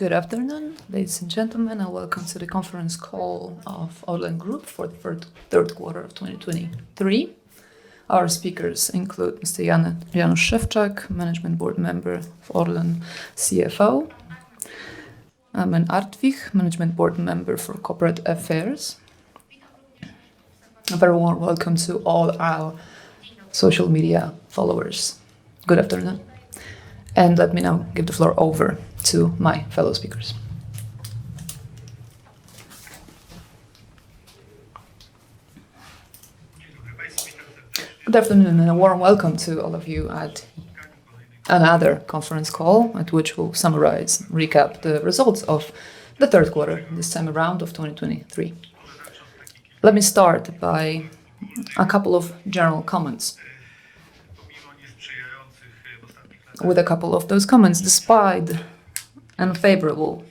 Good afternoon, ladies and gentlemen, welcome to the conference call of Orlen Group for the 3rd quarter of 2023. Our speakers include Mr. Jan Szewczak, Management Board Member of Orlen, CFO, and Armen Artwich, Management Board Member for Corporate Affairs. A very warm welcome to all our social media followers. Good afternoon, let me now give the floor over to my fellow speakers. Good afternoon, a warm welcome to all of you at another conference call, at which we'll summarize, recap the results of the 3rd quarter, this time around, of 2023. Let me start by a couple of general comments. With a couple of those comments, despite unfavorable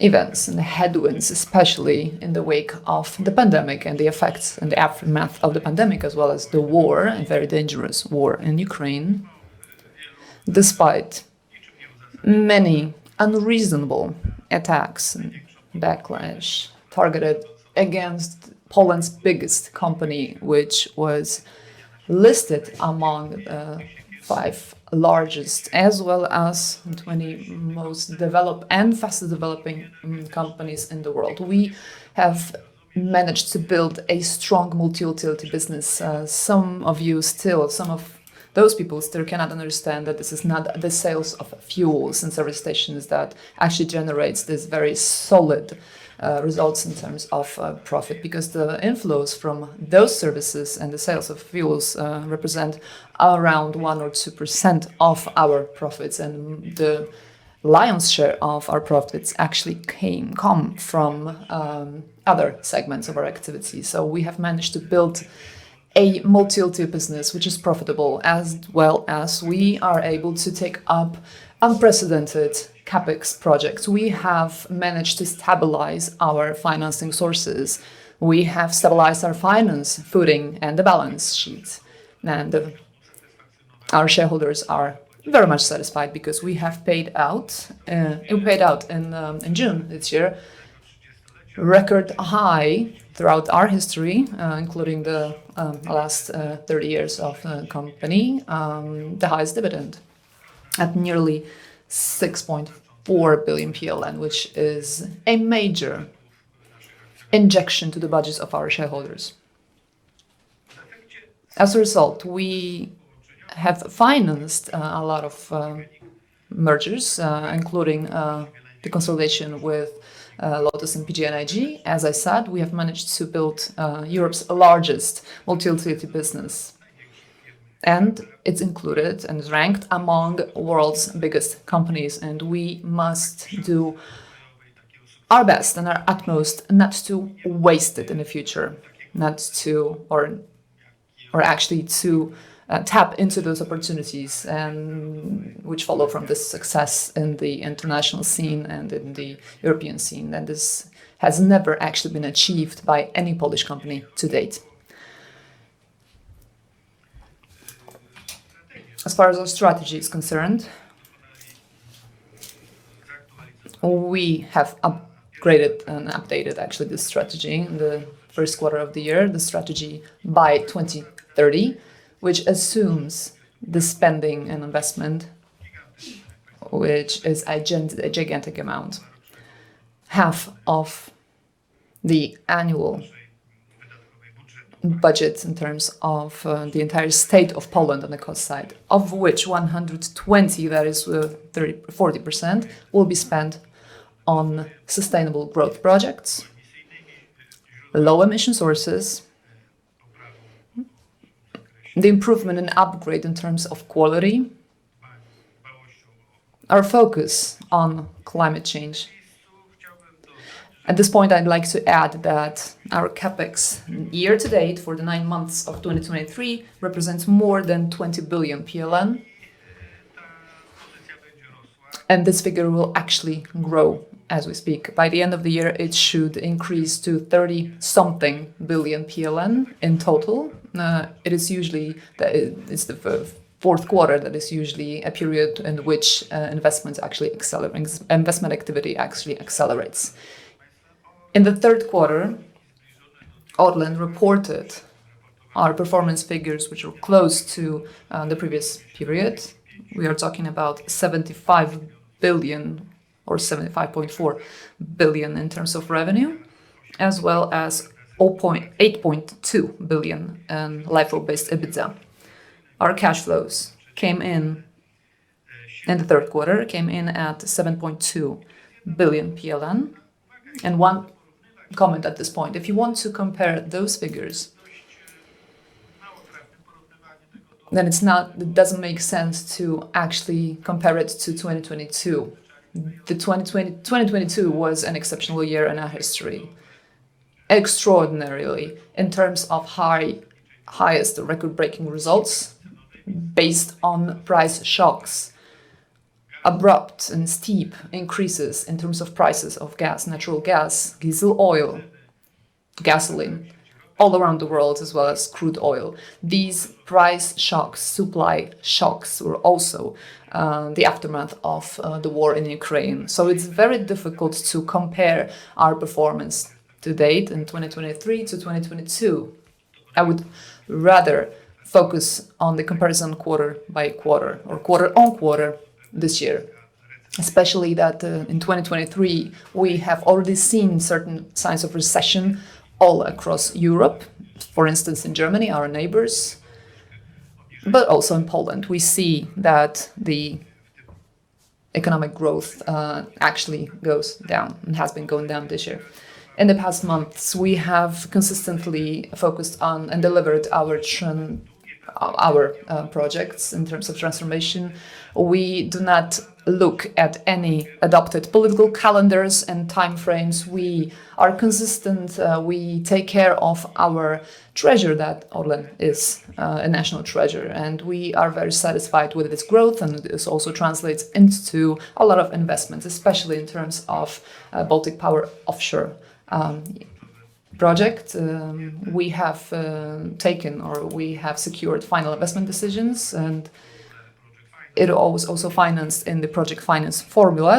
events and the headwinds, especially in the wake of the pandemic and the effects and the aftermath of the pandemic, as well as the war, a very dangerous war in Ukraine, despite many unreasonable attacks and backlash targeted against Poland's biggest company, which was listed among 5 largest, as well as the 20 most developed and fastest developing companies in the world, we have managed to build a strong multi-utility business. Some of you still, some of those people still cannot understand that this is not the sales of fuels and service stations that actually generates this very solid results in terms of profit, because the inflows from those services and the sales of fuels represent around 1% or 2% of our profits, and the lion's share of our profits actually come from other segments of our activity. We have managed to build a multi-utility business, which is profitable, as well as we are able to take up unprecedented CapEx projects. We have managed to stabilize our financing sources. We have stabilized our finance footing and the balance sheets, and our shareholders are very much satisfied because we have paid out. We paid out in June this year, a record high throughout our history, including the last 30 years of company, the highest dividend at nearly 6.4 billion PLN, which is a major injection to the budgets of our shareholders. As a result, we have financed a lot of mergers, including the consolidation with Lotos and PGNiG. As I said, we have managed to build Europe's largest multi-utility business, it's included and is ranked among the world's biggest companies, we must do our best and our utmost, not to waste it in the future, actually to tap into those opportunities which follow from this success in the international scene and in the European scene. This has never actually been achieved by any Polish company to date. As far as our strategy is concerned, we have upgraded and updated, actually, the strategy in the first quarter of the year, the strategy by 2030, which assumes the spending and investment, which is a gigantic amount, half of the annual budgets in terms of the entire state of Poland on the cost side, of which 120, that is, 30%-40%, will be spent on sustainable growth projects, low emission sources, the improvement and upgrade in terms of quality, our focus on climate change. At this point, I'd like to add that our CapEx year to date for the 9 months of 2023 represents more than 20 billion PLN, and this figure will actually grow as we speak. By the end of the year, it should increase to 30-something billion PLN in total. It is usually the fourth quarter that is usually a period in which investments actually accelerate, investment activity actually accelerates. In the third quarter, Orlen reported our performance figures, which were close to the previous period. We are talking about 75 billion or 75.4 billion in terms of revenue, as well as 8.2 billion LIFO based EBITDA. Our cash flows came in the third quarter, came in at 7.2 billion PLN. One comment at this point, if you want to compare those figures, then it doesn't make sense to actually compare it to 2022. The 2020... 2022 was an exceptional year in our history, extraordinarily, in terms of high, highest record-breaking results based on price shocks, abrupt and steep increases in terms of prices of gas, natural gas, diesel oil, gasoline all around the world, as well as crude oil. These price shocks, supply shocks, were also the aftermath of the war in Ukraine. It's very difficult to compare our performance to date in 2023 to 2022. I would rather focus on the comparison quarter by quarter or quarter on quarter this year, especially that in 2023, we have already seen certain signs of recession all across Europe, for instance, in Germany, our neighbors, but also in Poland. We see that the economic growth actually goes down and has been going down this year. In the past months, we have consistently focused on and delivered our projects in terms of transformation. We do not look at any adopted political calendars and time frames. We are consistent, we take care of our treasure, that Orlen is a national treasure, and we are very satisfied with its growth, and this also translates into a lot of investments, especially in terms of Baltic Power offshore project. We have taken or we have secured final investment decisions, and it was also financed in the project finance formula.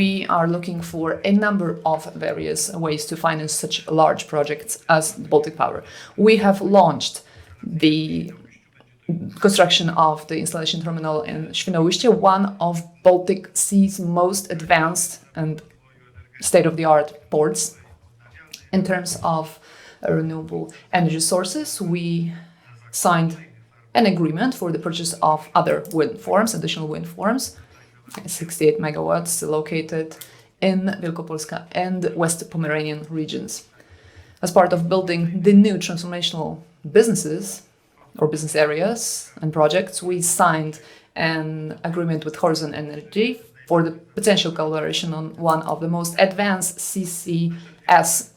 We are looking for a number of various ways to finance such large projects as Baltic Power. We have launched the construction of the installation terminal in Świnoujście, one of Baltic Sea's most advanced and state-of-the-art ports. In terms of renewable energy sources, we signed an agreement for the purchase of other wind farms, additional wind farms, 68 megawatts located in Wielkopolska and West Pomeranian regions. As part of building the new transformational businesses or business areas and projects, we signed an agreement with Horisont Energi for the potential collaboration on one of the most advanced CCS,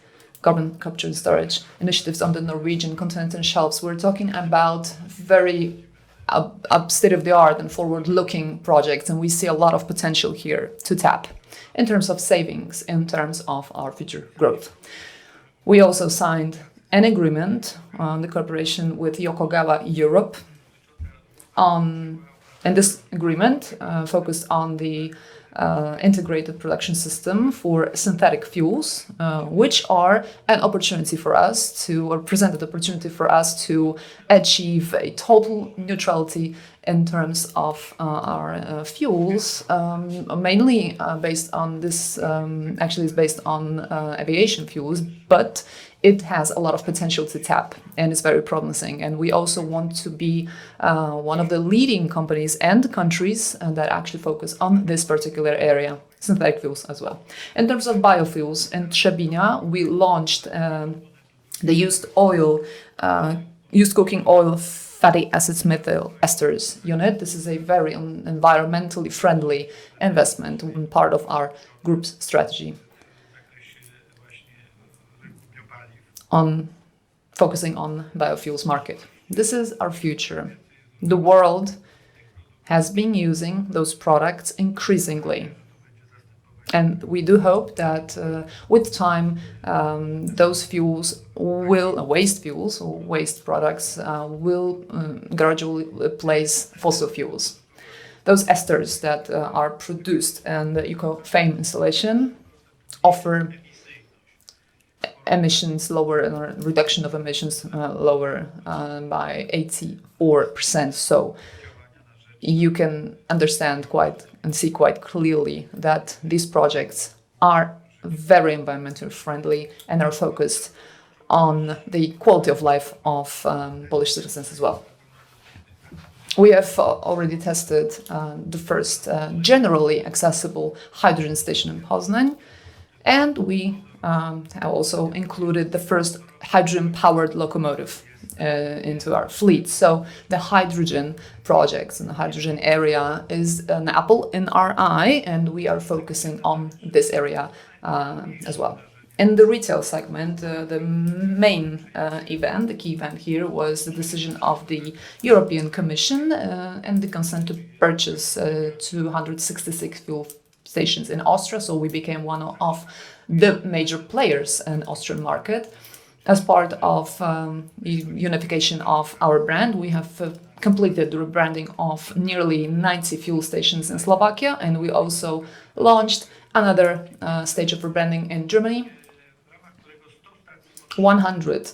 carbon capture and storage, initiatives under the Norwegian Continental Shelves. We're talking about very up state-of-the-art and forward-looking projects, and we see a lot of potential here to tap in terms of savings, in terms of our future growth. We also signed an agreement, the cooperation with Yokogawa Europe, and this agreement focused on the integrated production system for synthetic fuels, which are an opportunity for us to... or presented opportunity for us to achieve a total neutrality in terms of our fuels. mainly based on this, actually it's based on aviation fuels, but it has a lot of potential to tap, and it's very promising. We also want to be one of the leading companies and countries that actually focus on this particular area, synthetic fuels, as well. In terms of biofuels, in Trzebinia, we launched the used oil, used cooking oil, fatty acids, methyl esters unit. This is a very environmentally friendly investment and part of our group's strategy... on focusing on biofuels market. This is our future. The world has been using those products increasingly, and we do hope that with time, those fuels, waste fuels or waste products, will gradually replace fossil fuels. Those esters that are produced in the Ecofine installation offer reduction of emissions lower by 84%. You can understand quite, and see quite clearly, that these projects are very environmental friendly and are focused on the quality of life of Polish citizens as well. We have already tested the first generally accessible hydrogen station in Poznań, and we have also included the first hydrogen-powered locomotive into our fleet. The hydrogen projects and the hydrogen area is an apple in our eye, and we are focusing on this area as well. In the retail segment, the main event, the key event here, was the decision of the European Commission and the consent to purchase 266 fuel stations in Austria, so we became one of the major players in Austrian market. As part of the unification of our brand, we have completed the rebranding of nearly 90 fuel stations in Slovakia, and we also launched another stage of rebranding in Germany. 100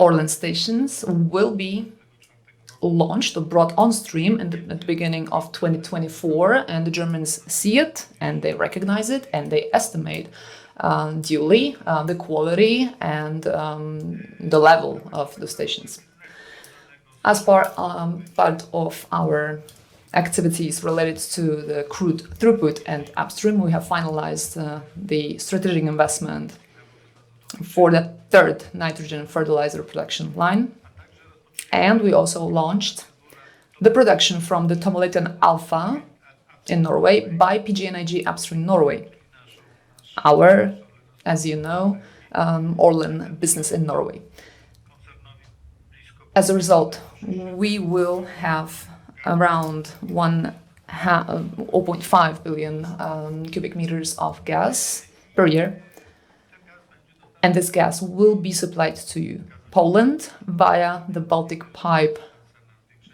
Orlen stations will be launched or brought on stream at the beginning of 2024, and the Germans see it, and they recognize it, and they estimate duly the quality and the level of the stations. As far, part of our activities related to the crude throughput and upstream, we have finalized the strategic investment for the third nitrogen fertilizer production line, and we also launched the production from the Tommeliten Alpha in Norway by PGNiG Upstream Norway. Our, as you know, Orlen business in Norway. As a result, we will have around 0.5 billion cubic meters of gas per year, and this gas will be supplied to Poland via the Baltic Pipe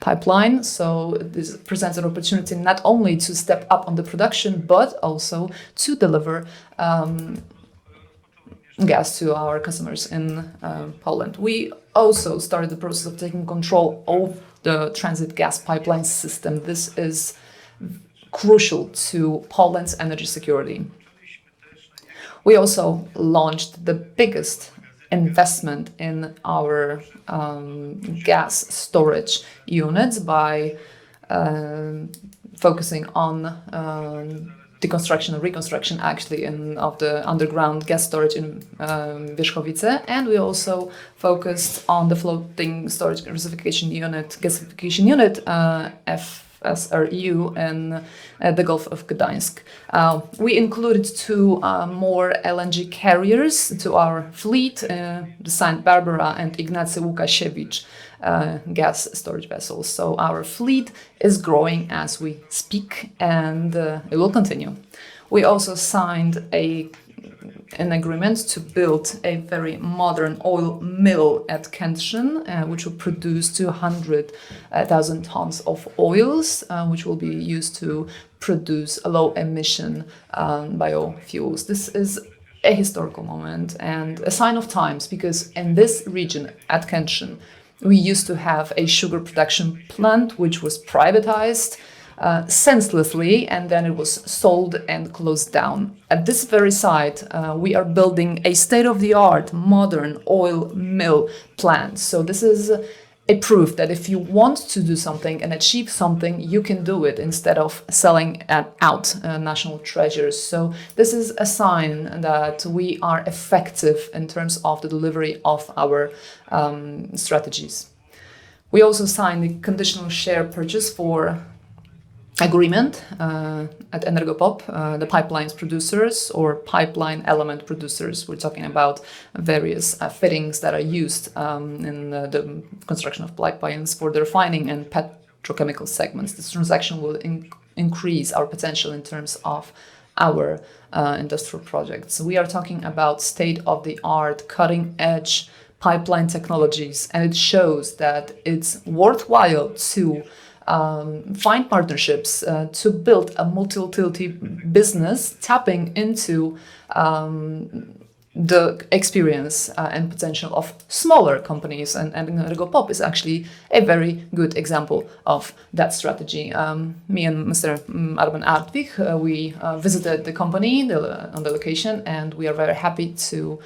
pipeline. This presents an opportunity not only to step up on the production, but also to deliver gas to our customers in Poland. We also started the process of taking control of the transit gas pipeline system. This is crucial to Poland's energy security. We also launched the biggest investment in our gas storage units by focusing on the construction and reconstruction, actually, of the underground gas storage in Wierzchowice, and we also focused on the floating storage gasification unit, FSRU, in the Gulf of Gdansk. We included two more LNG carriers to our fleet, the Święta Barbara and Ignacy Łukasiewicz, gas storage vessels. Our fleet is growing as we speak, and it will continue. We also signed an agreement to build a very modern oil mill at Kętrzyn, which will produce 200,000 tons of oils, which will be used to produce low emission biofuels. This is a historical moment and a sign of times, because in this region, at Kętrzyn, we used to have a sugar production plant, which was privatized, senselessly, and then it was sold and closed down. At this very site, we are building a state-of-the-art modern oil mill plant. This is a proof that if you want to do something and achieve something, you can do it, instead of selling out national treasures. This is a sign that we are effective in terms of the delivery of our strategies. We also signed the conditional share purchase for agreement at ENERGOP, the pipelines producers or pipeline element producers. We're talking about various fittings that are used in the construction of pipelines for the refining and petrochemical segments. This transaction will increase our potential in terms of our industrial projects. We are talking about state-of-the-art, cutting-edge pipeline technologies, and it shows that it's worthwhile to find partnerships to build a multi-utility business, tapping into the experience and potential of smaller companies. ENERGOP is actually a very good example of that strategy. Me and Mr. Armen Artwich, we visited the company, on the location, and we are very happy to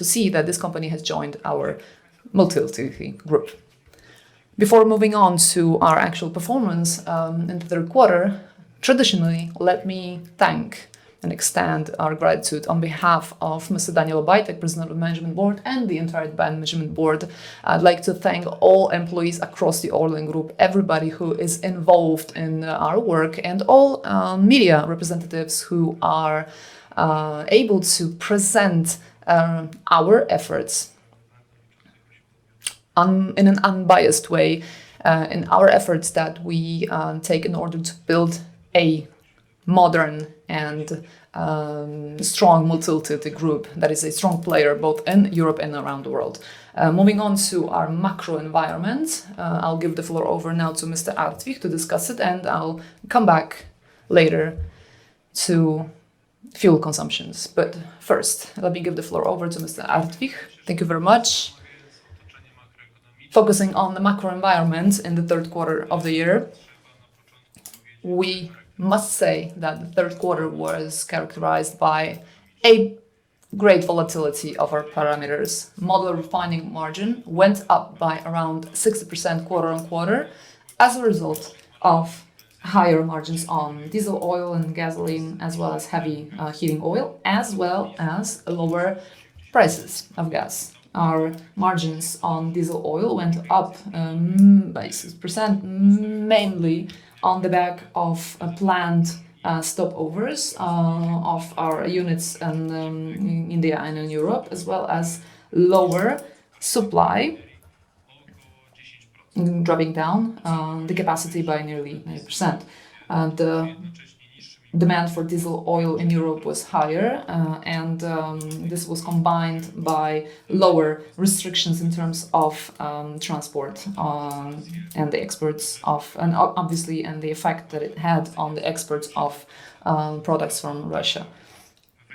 see that this company has joined our multi-utility group. Before moving on to our actual performance in the third quarter, traditionally, let me thank and extend our gratitude on behalf of Mr. Daniel Obajtek, President of the Management Board, and the entire Management Board. I'd like to thank all employees across the Orlen Group, everybody who is involved in our work, and all media representatives who are able to present our efforts in an unbiased way, in our efforts that we take in order to build a modern and strong multi-utility group that is a strong player both in Europe and around the world. Moving on to our macro environment, I'll give the floor over now to Mr. Artwich to discuss it, I'll come back later to fuel consumptions. First, let me give the floor over to Mr. Artwich. Thank you very much. Focusing on the macro environment in the third quarter of the year, we must say that the third quarter was characterized by a great volatility of our parameters. Model refining margin went up by around 60% quarter-on-quarter, as a result of higher margins on diesel oil and gasoline, as well as heavy heating oil, as well as lower prices of gas. Our margins on diesel oil went up by 6%, mainly on the back of a planned stopovers of our units in India and in Europe, as well as lower supply, dropping down the capacity by nearly 9%. The demand for diesel oil in Europe was higher, and this was combined by lower restrictions in terms of transport, obviously, and the effect that it had on the exports of products from Russia.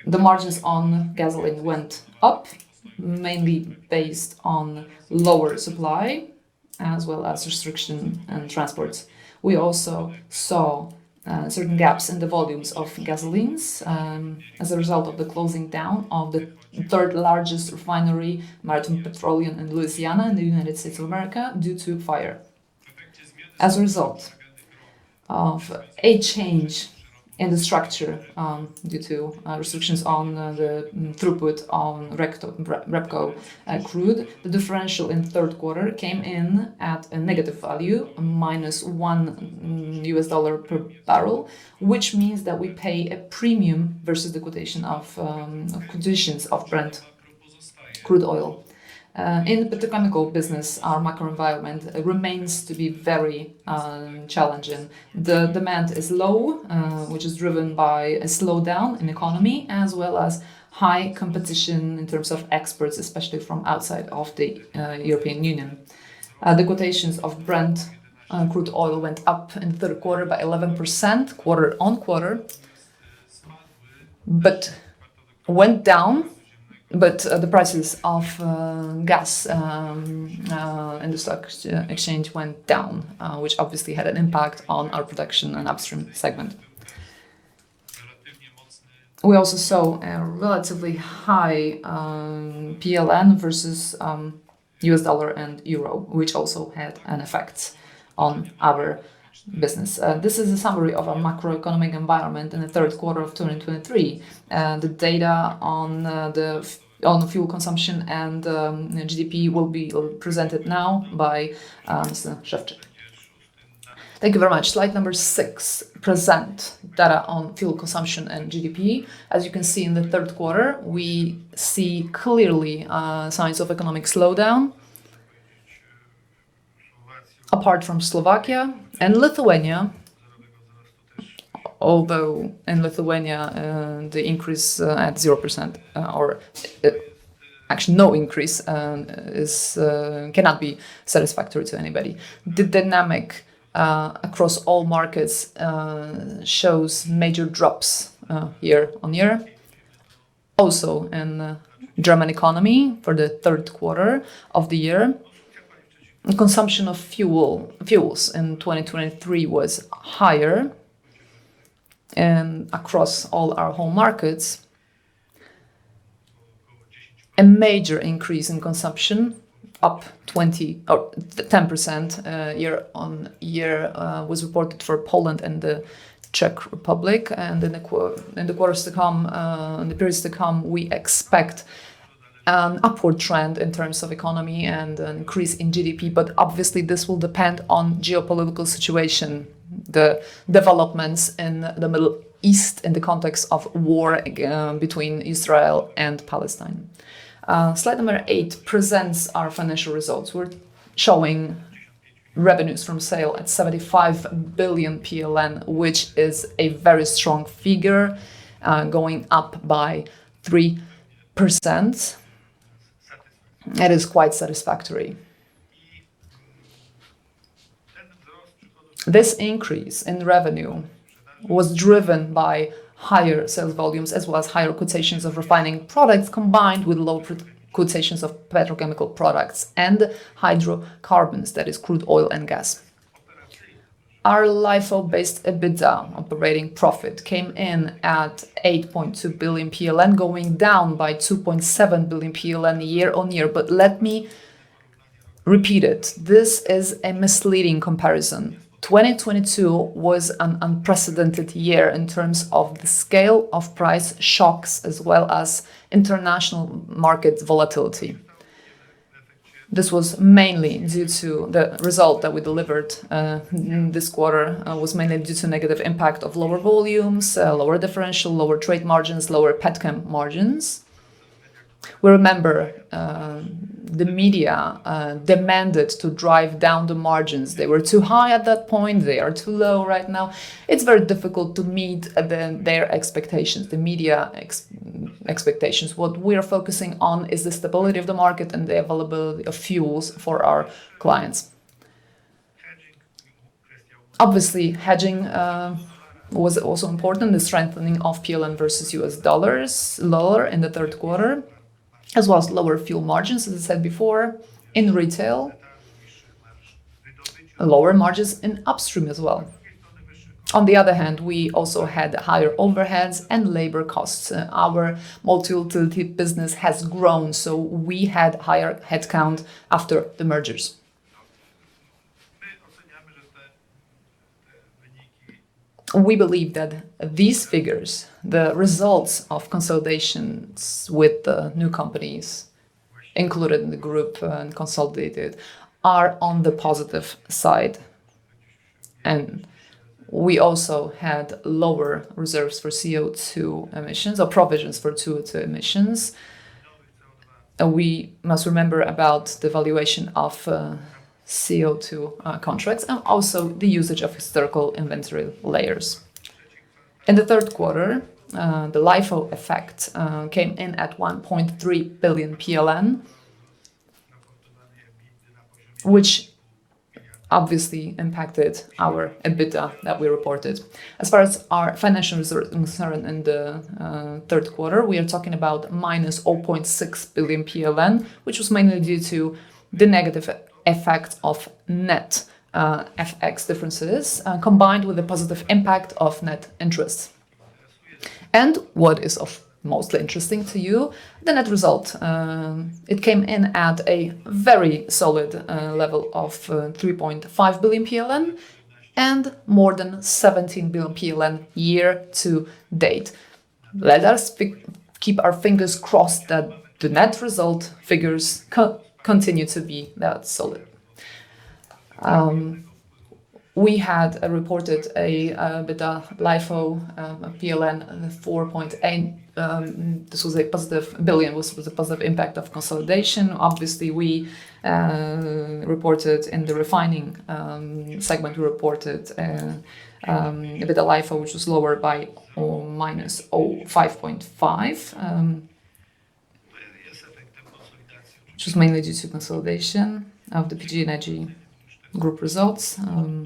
The margins on gasoline went up, mainly based on lower supply, as well as restriction and transports. We also saw certain gaps in the volumes of gasolines, as a result of the closing down of the 3rd-largest refinery, Marathon Petroleum, in Louisiana, in the United States of America, due to fire. As a result of a change in the structure, due to restrictions on the throughput on REBCO crude, the differential in the third quarter came in at a negative value, -$1 per barrel, which means that we pay a premium versus the quotation of quotations of Brent crude oil. In the petrochemical business, our microenvironment, it remains to be very challenging. The demand is low, which is driven by a slowdown in economy, as well as high competition in terms of exports, especially from outside of the European Union. The quotations of Brent crude oil went up in the third quarter by 11%, quarter-on-quarter, the prices of gas in the stock exchange went down, which obviously had an impact on our production and upstream segment. We also saw a relatively high PLN versus U.S. dollar and EUR, which also had an effect on our business. This is a summary of our macroeconomic environment in the third quarter of 2023. The data on fuel consumption and the GDP will be presented now by Mr. Szewczak. Thank you very much. Slide number 6 present data on fuel consumption and GDP. As you can see in the third quarter, we see clearly signs of economic slowdown. Apart from Slovakia and Lithuania, although in Lithuania, the increase at 0% or actually no increase cannot be satisfactory to anybody. The dynamic across all markets shows major drops year-on-year. In the German economy, for the third quarter of the year, the consumption of fuels in 2023 was higher across all our home markets. A major increase in consumption, up 20, 10% year-on-year, was reported for Poland and the Czech Republic, and in the quarters to come, in the periods to come, we expect an upward trend in terms of economy and an increase in GDP. Obviously this will depend on geopolitical situation, the developments in the Middle East in the context of war between Israel and Palestine. Slide number 8 presents our financial results. We're showing revenues from sale at 75 billion PLN, which is a very strong figure, going up by 3%. That is quite satisfactory. This increase in revenue was driven by higher sales volumes, as well as higher quotations of refining products, combined with low quotations of petrochemical products and hydrocarbons, that is crude oil and gas. Our LIFO-based EBITDA operating profit came in at 8.2 billion PLN, going down by 2.7 billion PLN year-on-year. Let me repeat it, this is a misleading comparison. 2022 was an unprecedented year in terms of the scale of price shocks, as well as international market volatility. This was mainly due to the result that we delivered in this quarter was mainly due to negative impact of lower volumes, lower differential, lower trade margins, lower petchem margins. We remember, the media demanded to drive down the margins. They were too high at that point, they are too low right now. It's very difficult to meet their expectations, the media expectations. What we are focusing on is the stability of the market and the availability of fuels for our clients. Obviously, hedging was also important. The strengthening of PLN versus US dollars, lower in the 3rd quarter, as well as lower fuel margins, as I said before, in retail. Lower margins in upstream as well. On the other hand, we also had higher overheads and labor costs. Our multi-utility business has grown. We had higher headcount after the mergers. We believe that these figures, the results of consolidations with the new companies included in the group and consolidated, are on the positive side. We also had lower reserves for CO2 emissions or provisions for CO2 emissions. We must remember about the valuation of CO2 contracts, and also the usage of historical inventory layers. In the third quarter, the LIFO effect came in at 1.3 billion PLN, which obviously impacted our EBITDA that we reported. As far as our financial reserves are concerned in the third quarter, we are talking about minus 0.6 billion, which was mainly due to the negative effect of net FX differences, combined with the positive impact of net interest. What is of most interesting to you, the net result. It came in at a very solid level of 3.5 billion PLN, and more than 17 billion PLN year-to-date. Let us keep our fingers crossed that the net result figures continue to be that solid. We had reported a EBITDA LIFO, PLN 4.8 billion. This was a positive billion, was a positive impact of consolidation. Obviously, we reported in the refining segment, we reported EBITDA LIFO, which was lower by minus 5.5 billion, which is mainly due to consolidation of the PGNiG Group results.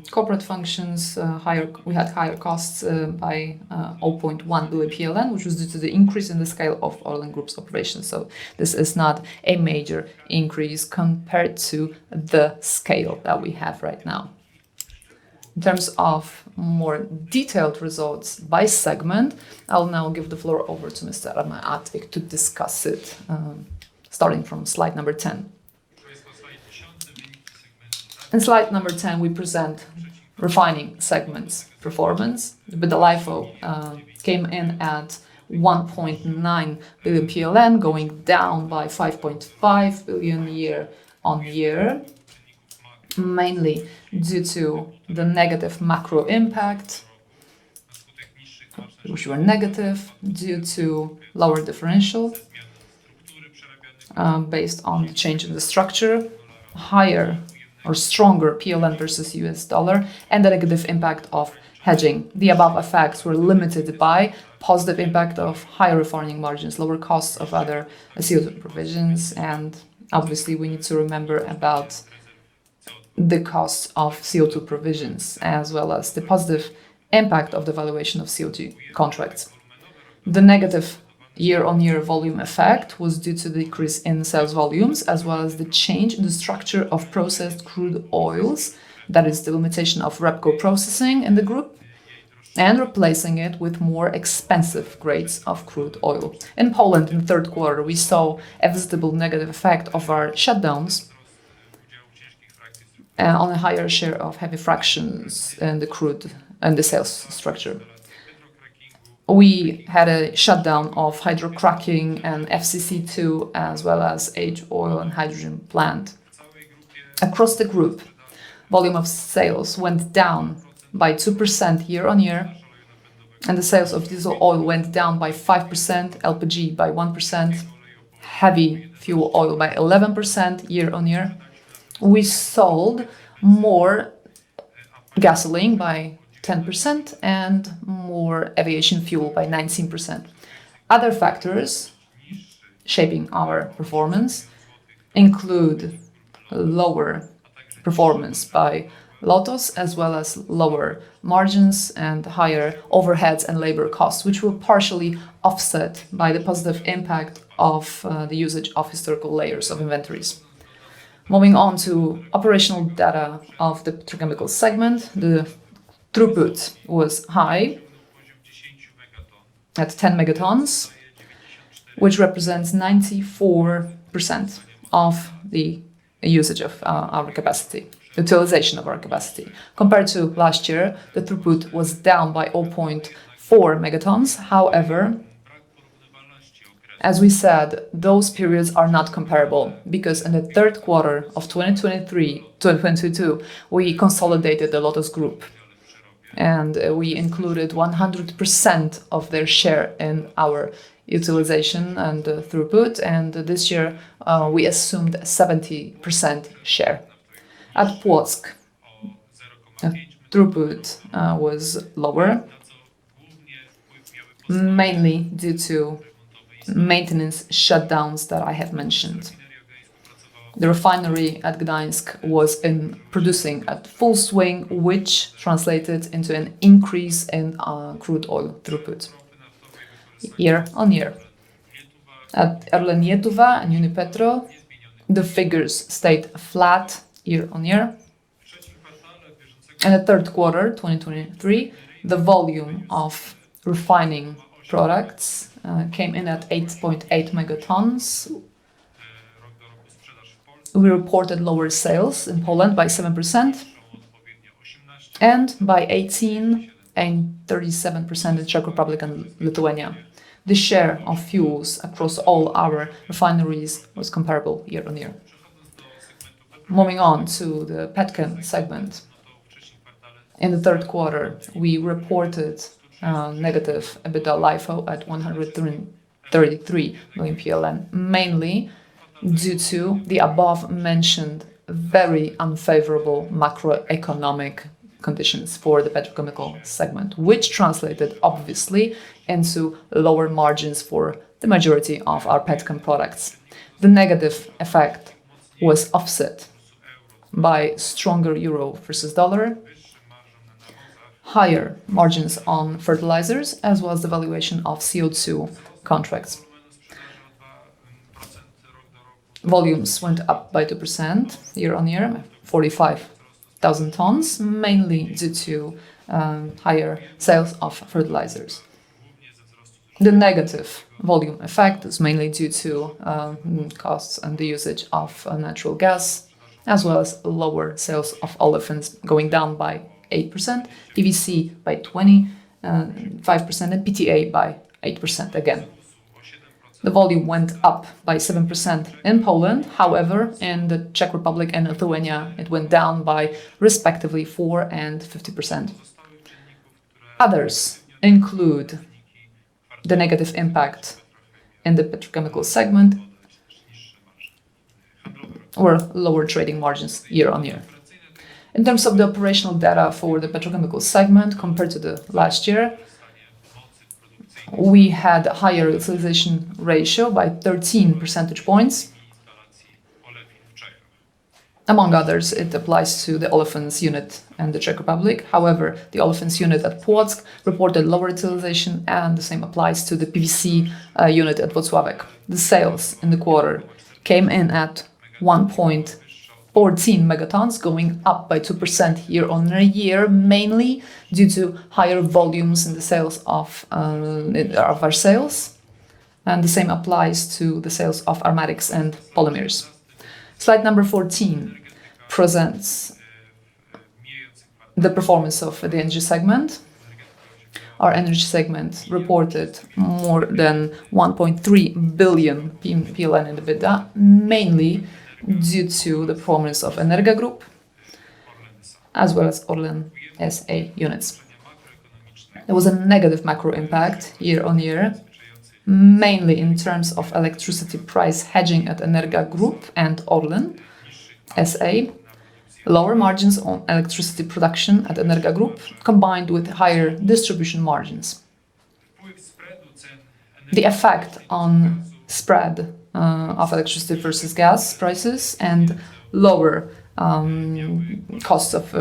Corporate functions, we had higher costs by 0.1, which was due to the increase in the scale of Orlen Group's operations, so this is not a major increase compared to the scale that we have right now. In terms of more detailed results by segment, I'll now give the floor over to Mr. Adam Czyżewski to discuss it, starting from slide number 10. Slide number 10, we present refining segment's performance. The EBITDA LIFO came in at 1.9 billion PLN, going down by 5.5 billion year-on-year, mainly due to the negative macro impact, which were negative due to lower differential, based on the change in the structure, higher or stronger PLN versus US dollar, and the negative impact of hedging. The above effects were limited by positive impact of higher refining margins, lower costs of other CO2 provisions. Obviously, we need to remember about the cost of CO2 provisions, as well as the positive impact of the valuation of CO2 contracts. The negative year-on-year volume effect was due to the increase in sales volumes, as well as the change in the structure of processed crude oils. That is the limitation of REBCO processing in the group, and replacing it with more expensive grades of crude oil. In Poland, in the third quarter, we saw a visible negative effect of our shutdowns on a higher share of heavy fractions in the crude and the sales structure. We had a shutdown of hydrocracking and FCC 2, as well as H-Oil and hydrogen plant. Across the group, volume of sales went down by 2% year on year, and the sales of diesel oil went down by 5%, LPG by 1%, heavy fuel oil by 11% year on year. We sold more gasoline by 10% and more aviation fuel by 19%. Other factors shaping our performance include lower performance by Lotos, as well as lower margins and higher overheads and labor costs, which were partially offset by the positive impact of the usage of historical layers of inventories. Moving on to operational data of the chemical segment. The throughput was high, at 10 megatons, which represents 94% of the usage of our capacity utilization of our capacity. Compared to last year, the throughput was down by 0.4 megatons. As we said, those periods are not comparable because in the third quarter of 2022, we consolidated the Grupa Lotos, and we included 100% of their share in our utilization and throughput, and this year, we assumed a 70% share. At Płock, the throughput was lower, mainly due to maintenance shutdowns that I have mentioned. The refinery at Gdańsk was in producing at full swing, which translated into an increase in crude oil throughput year-on-year. At Litvinov and Unipetrol, the figures stayed flat year-on-year. In the third quarter, 2023, the volume of refining products came in at 8.8 megatons. We reported lower sales in Poland by 7%, and by 18% and 37% in Czech Republic and Lithuania. The share of fuels across all our refineries was comparable year-on-year. Moving on to the petchem segment. In the third quarter, we reported negative EBITDA LIFO at 133 million PLN, mainly due to the above-mentioned very unfavorable macroeconomic conditions for the petrochemical segment, which translated, obviously, into lower margins for the majority of our petchem products. The negative effect was offset by stronger EUR versus dollar, higher margins on fertilizers, as well as the valuation of CO2 contracts. Volumes went up by 2% year-on-year, 45,000 tons, mainly due to higher sales of fertilizers. The negative volume effect is mainly due to costs and the usage of natural gas, as well as lower sales of olefins, going down by 8%, PVC by 25%, and PTA by 8% again. the volume went up by 7% in Poland. However, in the Czech Republic and Lithuania, it went down by respectively 4% and 50%. Others include the negative impact in the petrochemical segment, or lower trading margins year-on-year. In terms of the operational data for the petrochemical segment compared to the last year, we had higher utilization ratio by 13 percentage points. Among others, it applies to the olefins unit in the Czech Republic. However, the olefins unit at Plock reported lower utilization, and the same applies to the PVC unit at Wloclawek. The sales in the quarter came in at 1.14 megatons, going up by 2% year-on-year, mainly due to higher volumes in the sales of our sales, and the same applies to the sales of aromatics and polymers. Slide number 14 presents the performance of the energy segment. Our energy segment reported more than 1.3 billion PLN in EBITDA, mainly due to the performance of Energa Group, as well as Orlen S.A. units. There was a negative macro impact year-on-year, mainly in terms of electricity price hedging at Energa Group and Orlen S.A., lower margins on electricity production at Energa Group, combined with higher distribution margins. The effect on spread of electricity versus gas prices and lower costs of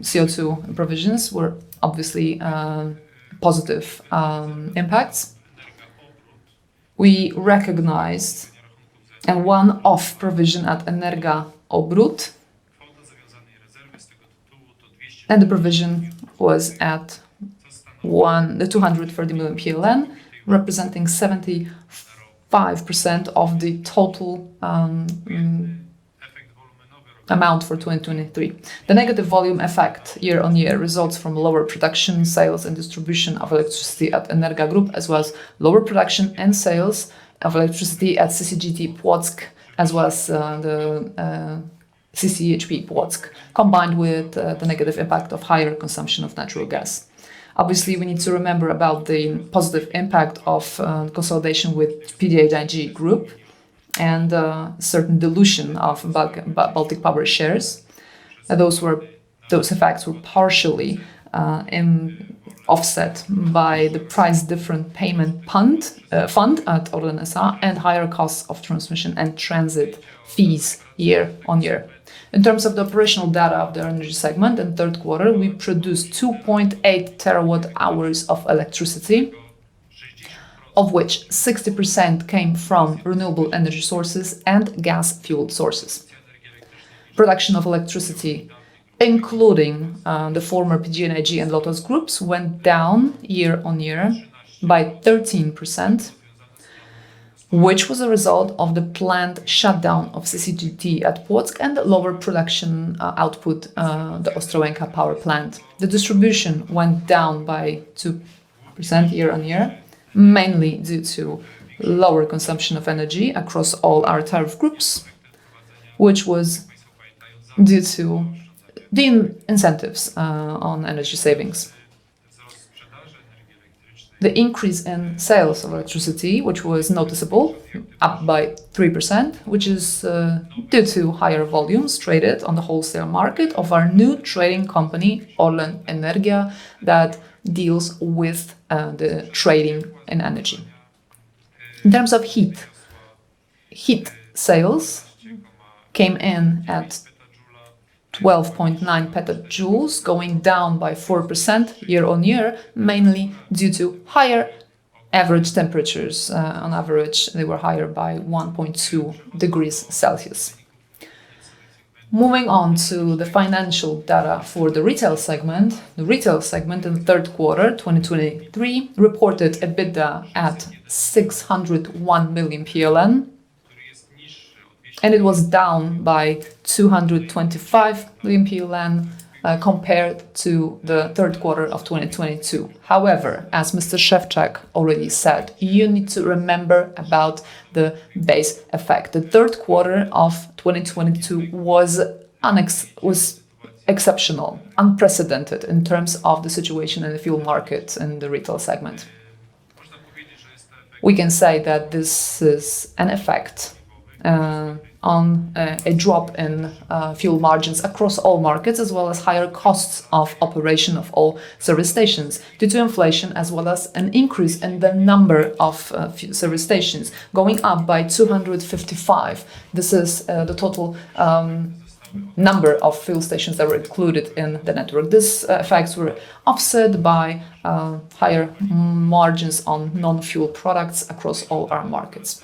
CO2 provisions were obviously positive impacts. We recognized a one-off provision at Energa Obrót, and the provision was at 230 million PLN, representing 75% of the total amount for 2023. The negative volume effect year-on-year results from lower production, sales, and distribution of electricity at Energa Group, as well as lower production and sales of electricity at CCGT Płock, as well as the CCHP Płock, combined with the negative impact of higher consumption of natural gas. Obviously, we need to remember about the positive impact of consolidation with PGNiG Group and certain dilution of Baltic Power shares. Those effects were partially offset by the Price Difference Payment Fund at Orlen S.A. and higher costs of transmission and transit fees year-on-year. In terms of the operational data of the energy segment, in third quarter, we produced 2.8 terawatt-hours of electricity, of which 60% came from renewable energy sources and gas-fueled sources. Production of electricity, including the former PGNiG and LOTOS groups, went down year-on-year by 13%, which was a result of the planned shutdown of CCGT Płock and the lower production output, the Ostrołęka Power Plant. The distribution went down by 2% year-on-year, mainly due to lower consumption of energy across all our tariff groups, which was due to the incentives on energy savings. The increase in sales of electricity, which was noticeable, up by 3%, which is due to higher volumes traded on the wholesale market of our new trading company, Orlen Energia, that deals with the trading in energy. In terms of heat sales came in at 12.9 petajoules, going down by 4% year-on-year, mainly due to higher average temperatures. On average, they were higher by 1.2 degrees Celsius. Moving on to the financial data for the retail segment. The retail segment in the third quarter 2023 reported EBITDA at 601 million PLN, and it was down by 225 million PLN compared to the third quarter 2022. As Mr. Szewczak already said, you need to remember about the base effect. The third quarter 2022 was exceptional, unprecedented in terms of the situation in the fuel markets and the retail segment. We can say that this is an effect on a drop in fuel margins across all markets, as well as higher costs of operation of all service stations due to inflation, as well as an increase in the number of service stations, going up by 255. This is the total number of fuel stations that were included in the network. These effects were offset by higher margins on non-fuel products across all our markets.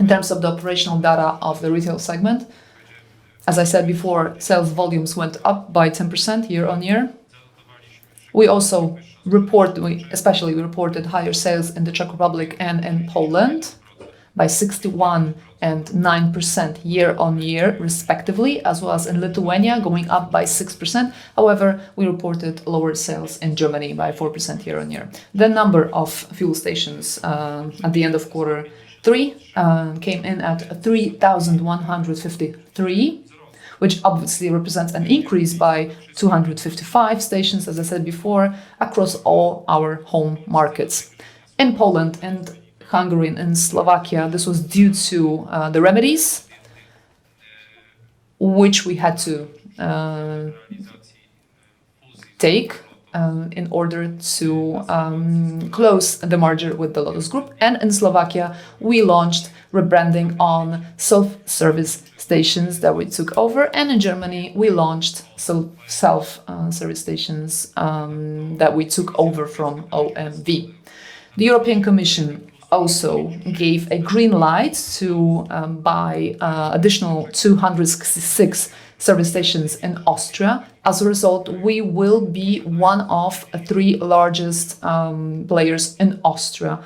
In terms of the operational data of the retail segment, as I said before, sales volumes went up by 10% year on year. We also Especially, we reported higher sales in the Czech Republic and in Poland by 61% and 9% year on year, respectively, as well as in Lithuania, going up by 6%. However, we reported lower sales in Germany by 4% year-on-year. The number of fuel stations at the end of quarter three came in at 3,153, which obviously represents an increase by 255 stations, as I said before, across all our home markets. In Poland and Hungary and Slovakia, this was due to the remedies which we had to take in order to close the merger with the Grupa Lotos. In Slovakia, we launched rebranding on self-service stations that we took over, and in Germany, we launched some self-service stations that we took over from OMV. The European Commission also gave a green light to buy additional 266 service stations in Austria. As a result, we will be one of 3 largest players in Austria,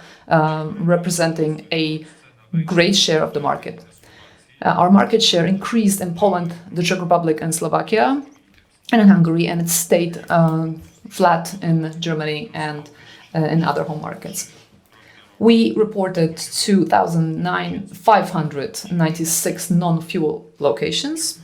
representing a great share of the market. Our market share increased in Poland, the Czech Republic and Slovakia, and in Hungary, and it stayed flat in Germany and in other home markets. We reported 596 non-fuel locations.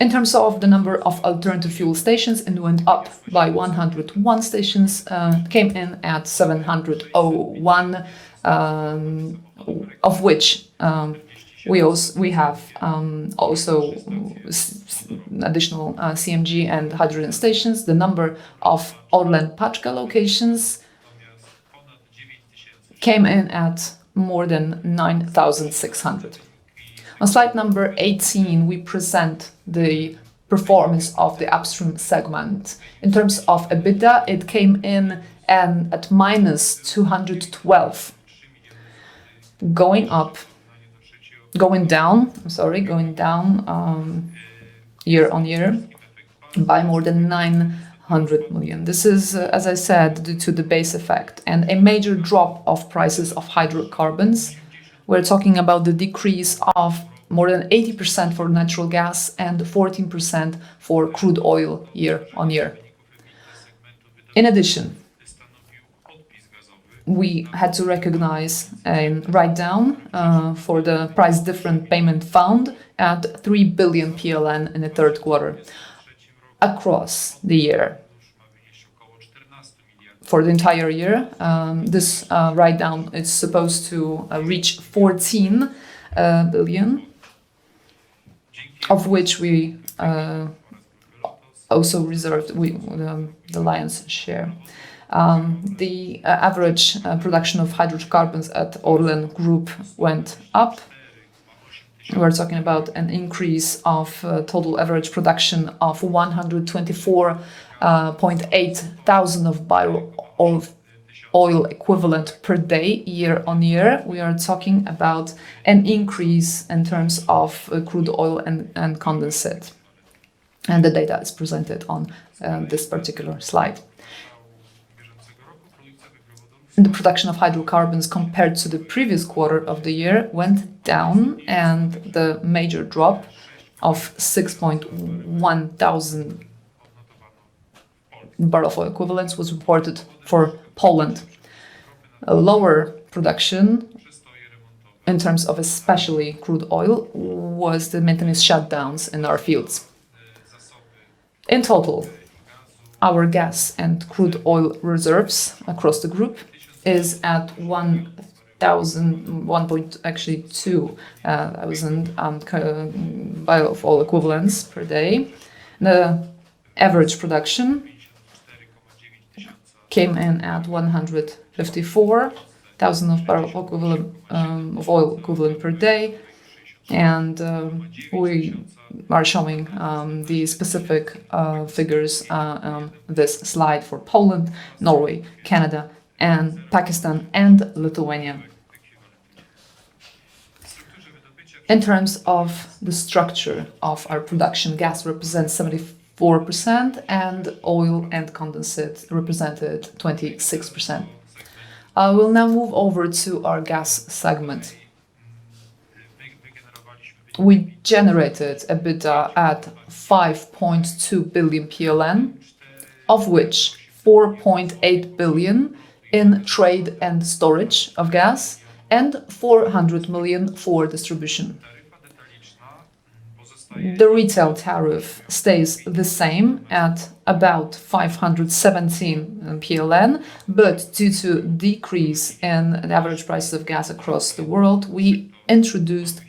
In terms of the number of alternative fuel stations, it went up by 101 stations, came in at 701, of which we have additional CNG and hydrogen stations. The number of Orlen Paczka locations came in at more than 9,600. On slide number 18, we present the performance of the upstream segment. In terms of EBITDA, it came in at -212, going up... Going down, sorry, going down, year-on-year by more than 900 million. This is, as I said, due to the base effect and a major drop of prices of hydrocarbons. We're talking about the decrease of more than 80% for natural gas and 14% for crude oil year-on-year. In addition, we had to recognize a write-down for the Price Difference Payment Fund at 3 billion PLN in the third quarter. Across the year, for the entire year, this write-down is supposed to reach 14 billion, of which we also reserved the lion's share. The average production of hydrocarbons at Orlen Group went up. We're talking about an increase of total average production of 124.8 thousand barrel of oil equivalent per day, year-on-year. We are talking about an increase in terms of crude oil and condensate. The data is presented on this particular slide. The production of hydrocarbons, compared to the previous quarter of the year, went down. The major drop of 6.1 thousand barrel of oil equivalents was reported for Poland. A lower production, in terms of especially crude oil, was the maintenance shutdowns in our fields. In total, our gas and crude oil reserves across the group is at 2 thousand barrel of oil equivalents per day. The average production came in at 154,000 of barrel equivalent of oil equivalent per day. We are showing the specific figures this slide for Poland, Norway, Canada, Pakistan, and Lithuania. In terms of the structure of our production, gas represents 74%. Oil and condensate represented 26%. I will now move over to our gas segment. We generated EBITDA at 5.2 billion PLN, of which 4.8 billion in trade and storage of gas. 400 million for distribution. The retail tariff stays the same at about 517 PLN. Due to decrease in the average prices of gas across the world, we introduced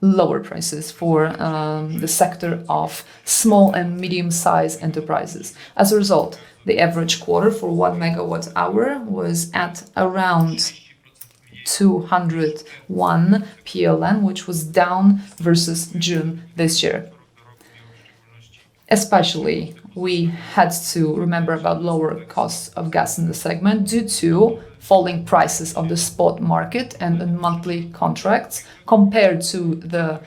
lower prices for the sector of small and medium-sized enterprises. As a result, the average quarter for 1 megawatt-hour was at around 201 PLN, which was down versus June this year. Especially, we had to remember about lower costs of gas in the segment due to falling prices on the spot market and the monthly contracts compared to the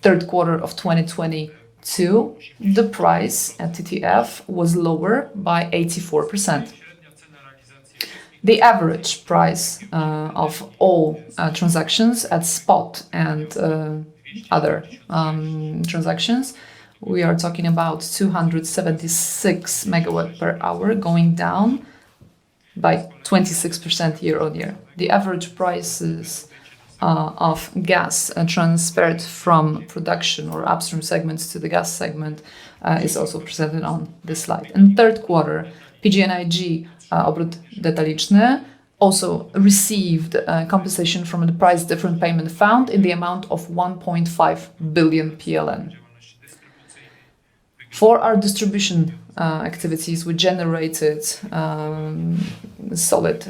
third quarter of 2022, the price at TTF was lower by 84%. The average price of all transactions at spot and other transactions, we are talking about 276 megawatt-hour, going down by 26% year-on-year. The average prices of gas transferred from production or upstream segments to the gas segment is also presented on this slide. In the third quarter, PGNiG Obrót Detaliczny also received compensation from the Price Difference Payment Fund in the amount of 1.5 billion PLN. For our distribution activities, we generated solid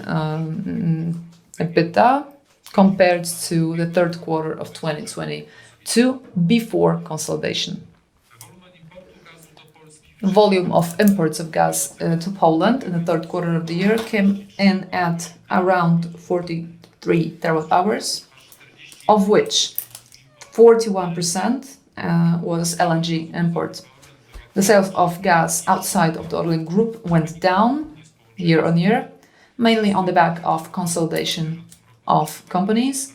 EBITDA, compared to the third quarter of 2022, before consolidation. Volume of imports of gas to Poland in the third quarter of the year came in at around 43 terawatt-hours, of which 41% was LNG imports. The sale of gas outside of the Orlen Group went down year-on-year, mainly on the back of consolidation of companies.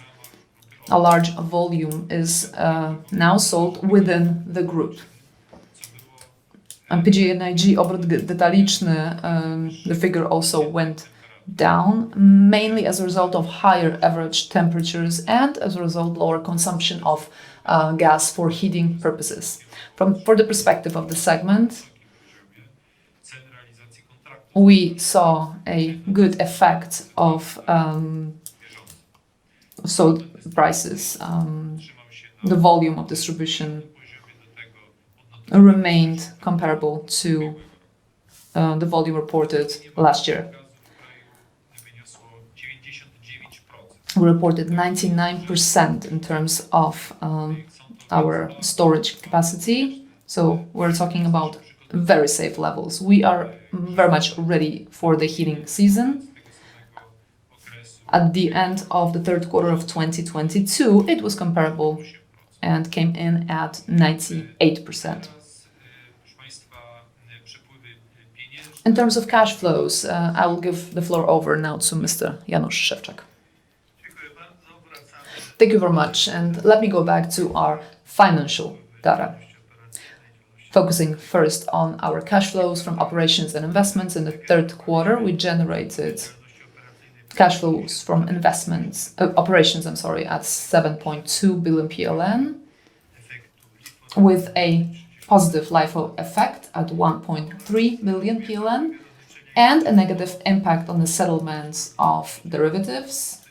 A large volume is now sold within the group. On PGNiG Obrót Detaliczny, the figure also went down, mainly as a result of higher average temperatures and as a result, lower consumption of gas for heating purposes. For the perspective of the segment, we saw a good effect of sold prices. The volume of distribution remained comparable to the volume reported last year. We reported 99% in terms of our storage capacity, so we're talking about very safe levels. We are very much ready for the heating season. At the end of the third quarter of 2022, it was comparable and came in at 98%. In terms of cash flows, I will give the floor over now to Mr. Jan Szewczak. Thank you very much. Let me go back to our financial data. Focusing first on our cash flows from operations and investments. In the third quarter, we generated cash flows from operations, I'm sorry, at 7.2 billion PLN, with a positive LIFO effect at 1.3 million PLN, and a negative impact on the settlements of derivatives,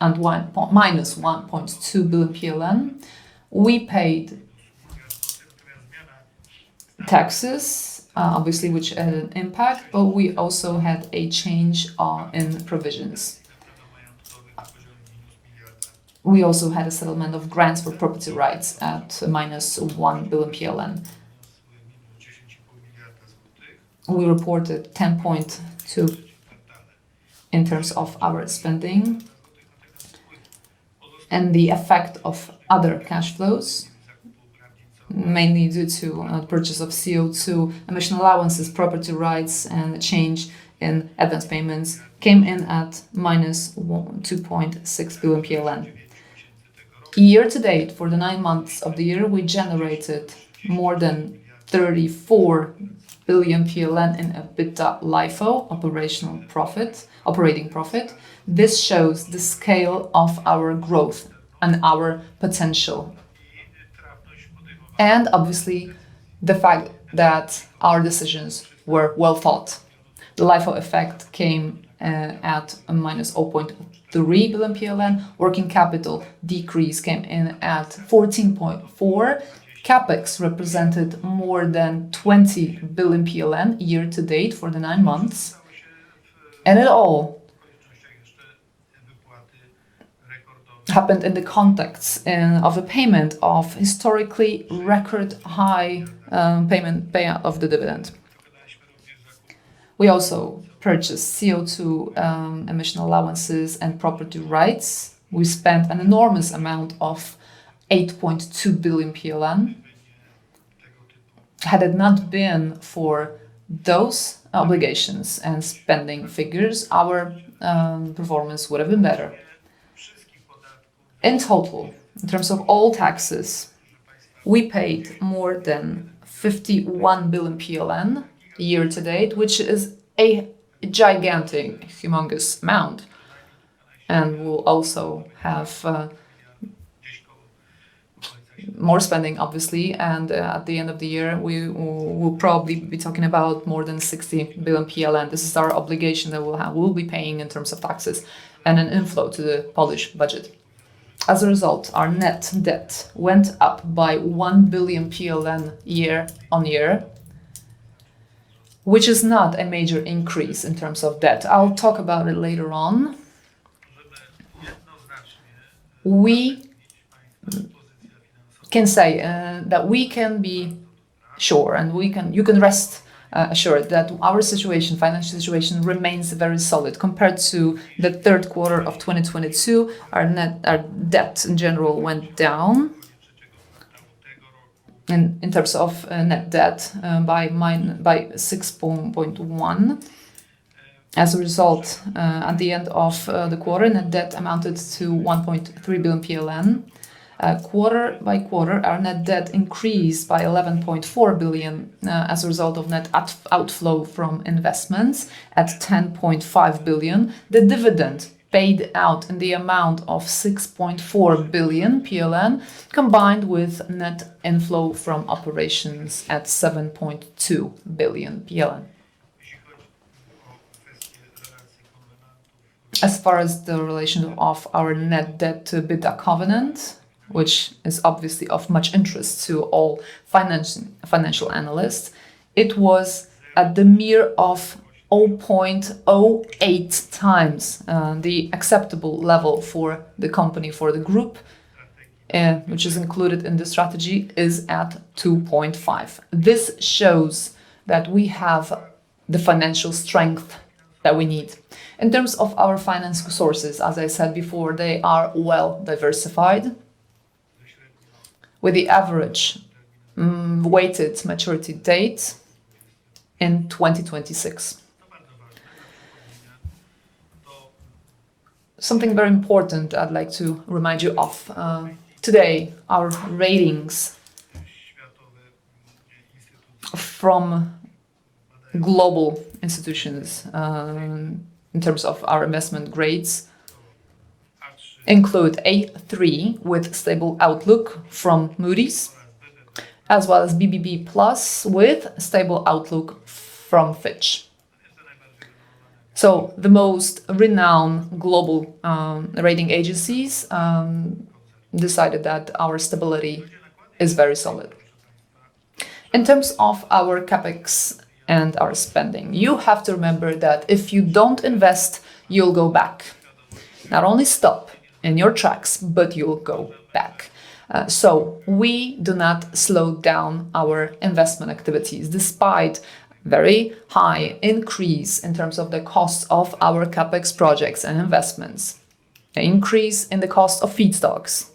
minus PLN 1.2 billion. We paid taxes, obviously, which had an impact. We also had a change in provisions. We also had a settlement of grants for property rights at minus 1 billion PLN. We reported 10.2 in terms of our spending. The effect of other cash flows, mainly due to purchase of CO2 emission allowances, property rights, and a change in advance payments, came in at minus 2.6 billion PLN. Year to date, for the nine months of the year, we generated more than 34 billion PLN in EBITDA LIFO operating profit. This shows the scale of our growth and our potential, obviously, the fact that our decisions were well thought. The LIFO effect came at a minus 0.3 billion PLN. Working capital decrease came in at 14.4. CapEx represented more than 20 billion PLN year to date for the nine months. It all happened in the context of a payment of historically record-high payout of the dividend. We also purchased CO2 emission allowances and property rights. We spent an enormous amount of 8.2 billion PLN. Had it not been for those obligations and spending figures, our performance would have been better. In total, in terms of all taxes, we paid more than 51 billion PLN year to date, which is a gigantic, humongous amount, we'll also have more spending, obviously. At the end of the year, we will probably be talking about more than 60 billion PLN. This is our obligation that we will be paying in terms of taxes and an inflow to the Polish budget. As a result, our net debt went up by 1 billion PLN year-on-year, which is not a major increase in terms of debt. I'll talk about it later on. We can say that we can be sure, and you can rest assured that our situation, financial situation, remains very solid. Compared to the 3rd quarter of 2022, our debt in general went down, and in terms of net debt, by 6.1. As a result, at the end of the quarter, net debt amounted to 1.3 billion PLN. Quarter by quarter, our net debt increased by 11.4 billion as a result of net outflow from investments at 10.5 billion, the dividend paid out in the amount of 6.4 billion PLN, combined with net inflow from operations at 7.2 billion PLN. As far as the relation of our net debt to EBITDA covenant, which is obviously of much interest to all financial analysts, it was at the mere of 0.08 times the acceptable level for the company, for the group, which is included in the strategy, is at 2.5. This shows that we have the financial strength that we need. In terms of our finance sources, as I said before, they are well diversified, with the average weighted maturity date in 2026. Something very important I'd like to remind you of, today, our ratings from global institutions, in terms of our investment grades, include A3 with stable outlook from Moody's, as well as BBB+ with stable outlook from Fitch. The most renowned global rating agencies decided that our stability is very solid. In terms of our CapEx and our spending, you have to remember that if you don't invest, you'll go back. Not only stop in your tracks, but you will go back. We do not slow down our investment activities, despite very high increase in terms of the cost of our CapEx projects and investments, an increase in the cost of feedstocks,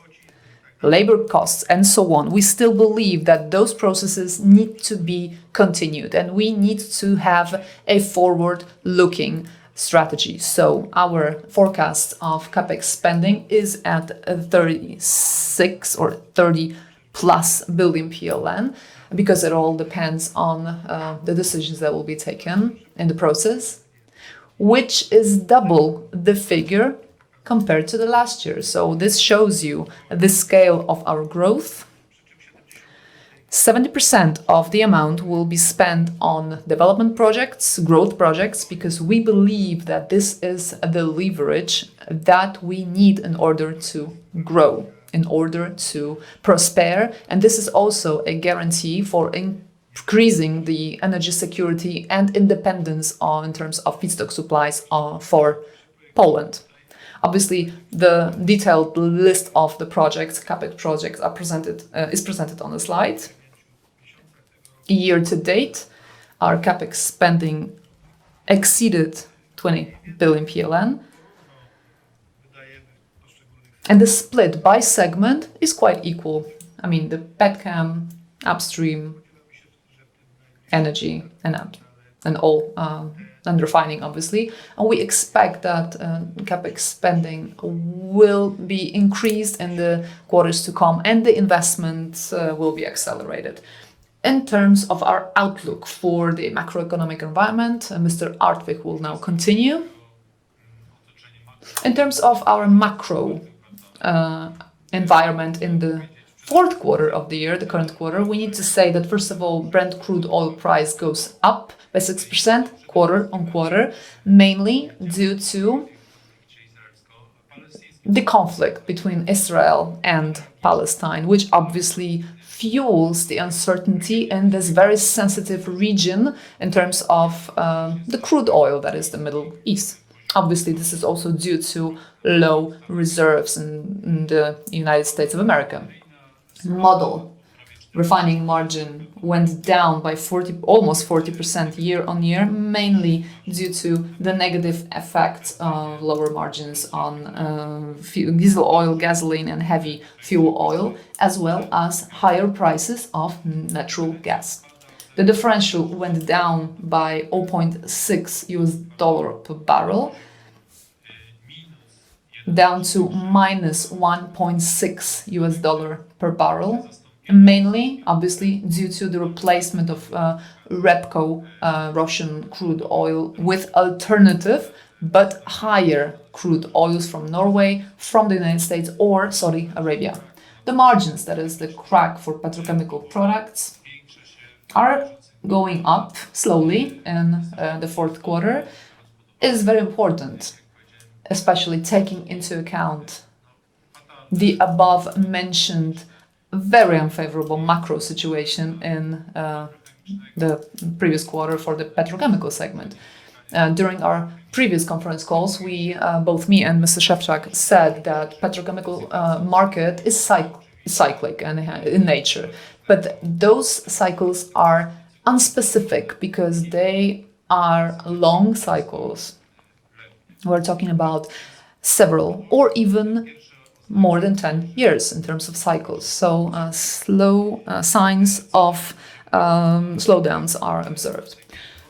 labor costs, and so on. We still believe that those processes need to be continued, and we need to have a forward-looking strategy. Our forecast of CapEx spending is at 36 or 30+ billion, because it all depends on the decisions that will be taken in the process, which is double the figure compared to the last year. This shows you the scale of our growth. 70% of the amount will be spent on development projects, growth projects, because we believe that this is the leverage that we need in order to grow, in order to prosper, and this is also a guarantee for increasing the energy security and independence in terms of feedstock supplies for Poland. Obviously, the detailed list of the projects, CapEx projects, is presented on the slide. Year to date, our CapEx spending exceeded PLN 20 billion, and the split by segment is quite equal. I mean, the petchem, upstream, energy, and all, and refining, obviously. We expect that CapEx spending will be increased in the quarters to come, and the investments will be accelerated. In terms of our outlook for the macroeconomic environment, Mr. Artwich will now continue. In terms of our macro environment in the fourth quarter of the year, the current quarter, we need to say that, first of all, Brent crude oil price goes up by 6% quarter-on-quarter, mainly due to the conflict between Israel and Palestine, which obviously fuels the uncertainty in this very sensitive region in terms of the crude oil, that is the Middle East. This is also due to low reserves in the United States of America. Model refining margin went down by 40... almost 40% year-on-year, mainly due to the negative effect of lower margins on diesel oil, gasoline, and heavy fuel oil, as well as higher prices of natural gas. The differential went down by $0.6 per barrel, down to -$1.6 per barrel, mainly, obviously, due to the replacement of REBCO Russian crude oil with alternative, but higher crude oils from Norway, from the United States or Saudi Arabia. The margins, that is the crack for petrochemical products, are going up slowly. The fourth quarter is very important, especially taking into account the above-mentioned, very unfavorable macro situation in the previous quarter for the petrochemical segment. During our previous conference calls, we, both me and Mr. Szewczak said that petrochemical market is cyclic in nature, those cycles are unspecific, because they are long cycles. We are talking about several or even more than 10 years in terms of cycles, slow signs of slowdowns are observed.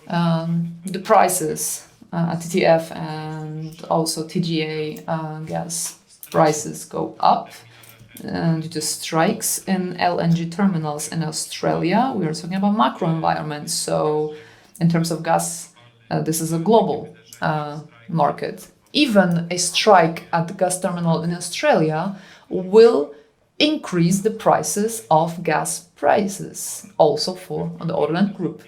The prices, TTF and also TGA, gas prices go up, the strikes in LNG terminals in Australia, we are talking about macro environment. In terms of gas, this is a global market. Even a strike at the gas terminal in Australia will increase the prices of gas prices also for the Orlen Group.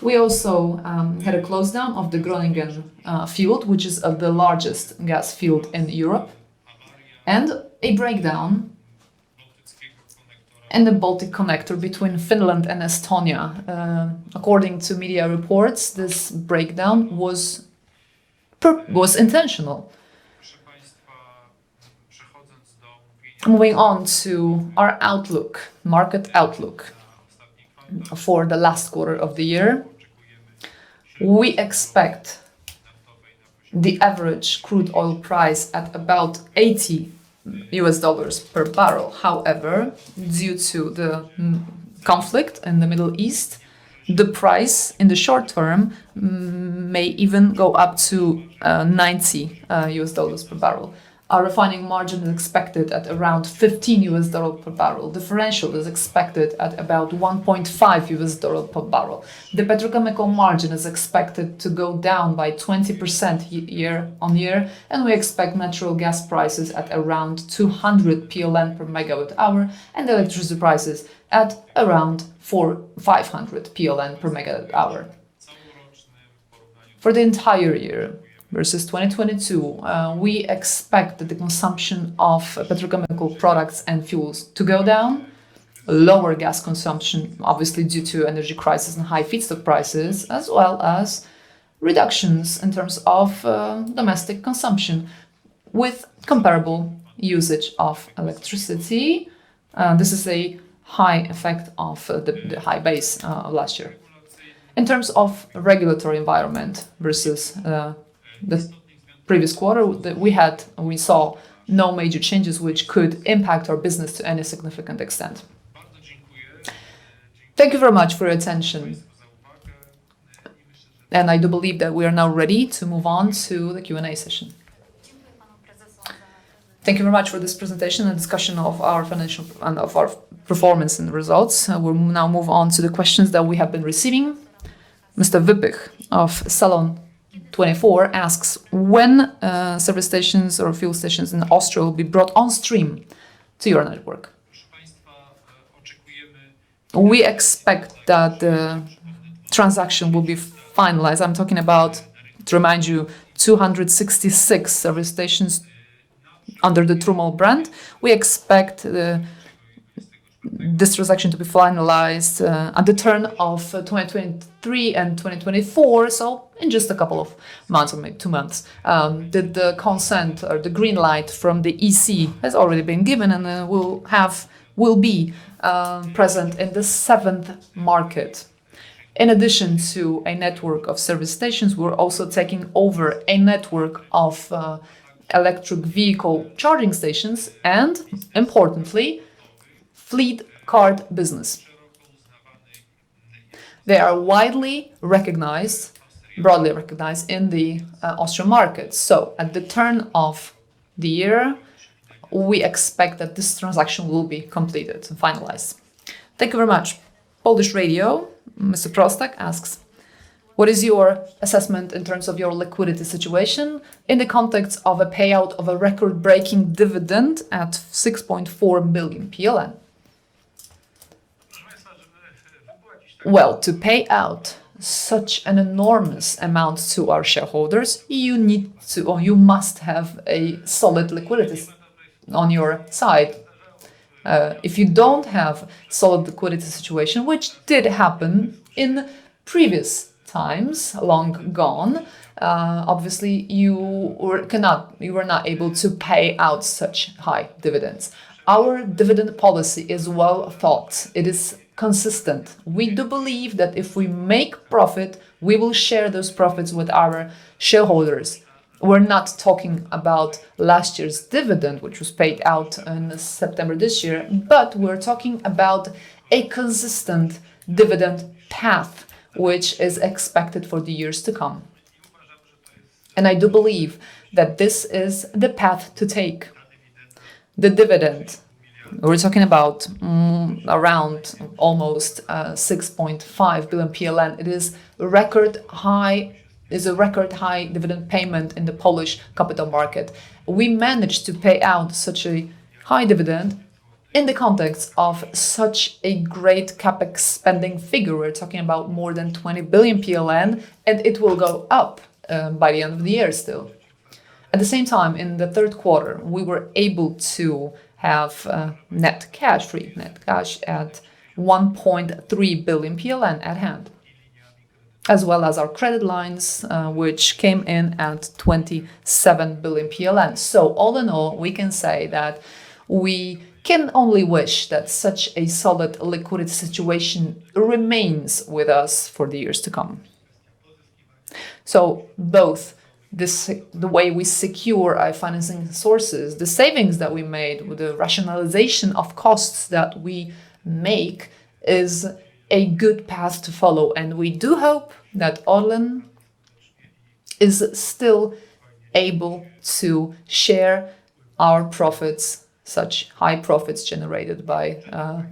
We also had a close down of the Groningen field, which is of the largest gas field in Europe, a breakdown in the Baltic Connector between Finland and Estonia. According to media reports, this breakdown was intentional. Moving on to our outlook, market outlook. For the last quarter of the year, we expect the average crude oil price at about $80 per barrel. Due to the conflict in the Middle East, the price in the short term may even go up to $90 per barrel. Our refining margin is expected at around $15 per barrel. Differential is expected at about $1.5 per barrel. The petrochemical margin is expected to go down by 20% year-on-year. We expect natural gas prices at around 200 PLN per megawatt-hour. Electricity prices at around 500 PLN per megawatt-hour. For the entire year, versus 2022, we expect that the consumption of petrochemical products and fuels to go down, lower gas consumption, obviously due to energy crisis and high feedstock prices, as well as reductions in terms of domestic consumption, with comparable usage of electricity. This is a high effect of the high base of last year. In terms of regulatory environment versus the previous quarter, we had and we saw no major changes which could impact our business to any significant extent. Thank you very much for your attention. I do believe that we are now ready to move on to the Q&A session. Thank you very much for this presentation and discussion of our financial and of our performance and results. We'll now move on to the questions that we have been receiving. Mr. Wypych of Salon24 asks: "When service stations or fuel stations in Austria will be brought on stream to your network?" We expect that the transaction will be finalized. I am talking about, to remind you, 266 service stations under the Turmöl brand. We expect this transaction to be finalized at the turn of 2023 and 2024, so in just a couple of months, or 2 months. The consent or the green light from the EC has already been given. We will be present in the seventh market. In addition to a network of service stations, we are also taking over a network of electric vehicle charging stations and, importantly, fleet card business. They are widely recognized, broadly recognized in the Austrian market. At the turn of the year, we expect that this transaction will be completed and finalized. Thank you very much. Polish Radio, Mr. Prostek asks: "What is your assessment in terms of your liquidity situation in the context of a payout of a record-breaking dividend at 6.4 billion PLN?" Well, to pay out such an enormous amount to our shareholders, you need to, or you must have a solid liquidity on your side. If you don't have solid liquidity situation, which did happen in previous times, long gone, obviously, you were not able to pay out such high dividends. Our dividend policy is well thought. It is consistent. We do believe that if we make profit, we will share those profits with our shareholders. We're not talking about last year's dividend, which was paid out in September this year, but we're talking about a consistent dividend path, which is expected for the years to come. I do believe that this is the path to take. The dividend, we're talking about, around almost 6.5 billion PLN. It is record high, it is a record-high dividend payment in the Polish capital market. We managed to pay out such a high dividend in the context of such a great CapEx spending figure. We're talking about more than 20 billion PLN, and it will go up by the end of the year still. At the same time, in the third quarter, we were able to have net cash, free net cash at 1.3 billion PLN at hand, as well as our credit lines, which came in at 27 billion PLN. All in all, we can say that we can only wish that such a solid liquidity situation remains with us for the years to come. Both the way we secure our financing sources, the savings that we made with the rationalization of costs that we make, is a good path to follow, and we do hope that Orlen is still able to share our profits, such high profits generated by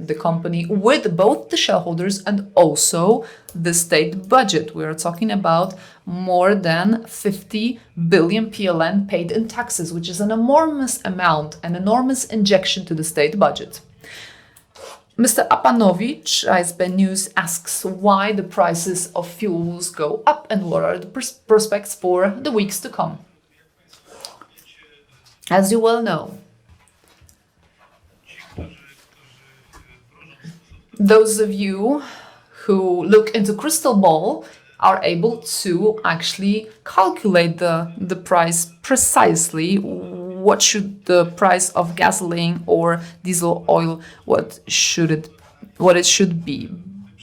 the company, with both the shareholders and also the state budget. We are talking about more than 50 billion PLN paid in taxes, which is an enormous amount, an enormous injection to the state budget. Mr. Apanowicz, ISB News, asks why the prices of fuels go up, and what are the prospects for the weeks to come? As you well know, those of you who look into crystal ball are able to actually calculate the price precisely, what should the price of gasoline or diesel oil, what it should be.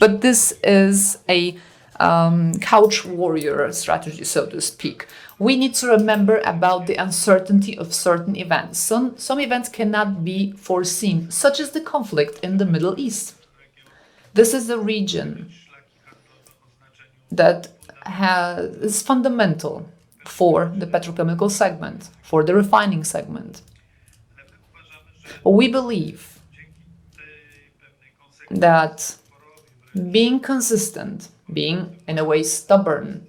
But this is a couch warrior strategy, so to speak. We need to remember about the uncertainty of certain events. Some events cannot be foreseen, such as the conflict in the Middle East. This is a region that is fundamental for the petrochemical segment, for the refining segment. We believe that being consistent, being, in a way, stubborn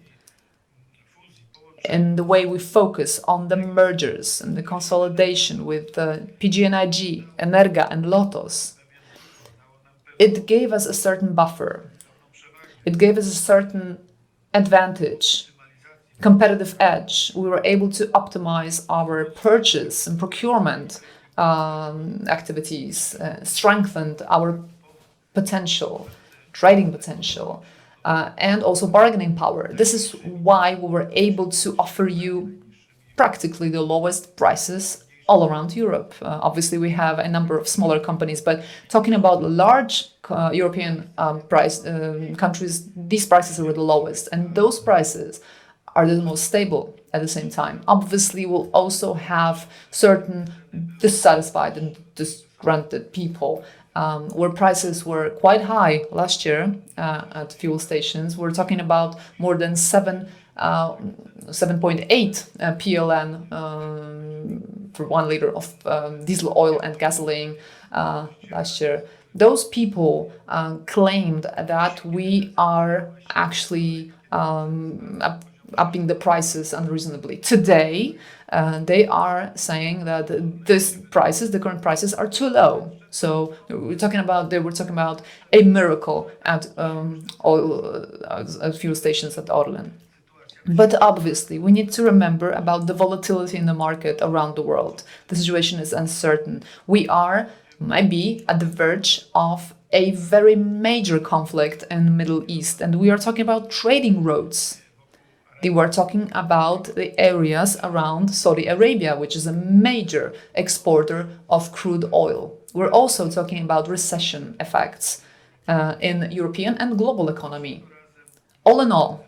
in the way we focus on the mergers and the consolidation with PGNiG, Energa, and Lotos, it gave us a certain buffer. It gave us a certain advantage, competitive edge. We were able to optimize our purchase and procurement activities, strengthened our potential, trading potential, and also bargaining power. This is why we were able to offer you practically the lowest prices all around Europe. Obviously, we have a number of smaller companies, but talking about large European price countries, these prices were the lowest, and those prices are the most stable at the same time. Obviously, we'll also have certain dissatisfied and disgruntled people where prices were quite high last year at fuel stations. We're talking about more than 7.8 PLN for 1 liter of diesel, oil, and gasoline last year. Those people claimed that we are actually upping the prices unreasonably. Today, they are saying that these prices, the current prices, are too low. They were talking about a miracle at oil at fuel stations at Orlen. Obviously, we need to remember about the volatility in the market around the world. The situation is uncertain. We are maybe at the verge of a very major conflict in the Middle East, and we are talking about trading routes. We were talking about the areas around Saudi Arabia, which is a major exporter of crude oil. We're also talking about recession effects in European and global economy. All in all,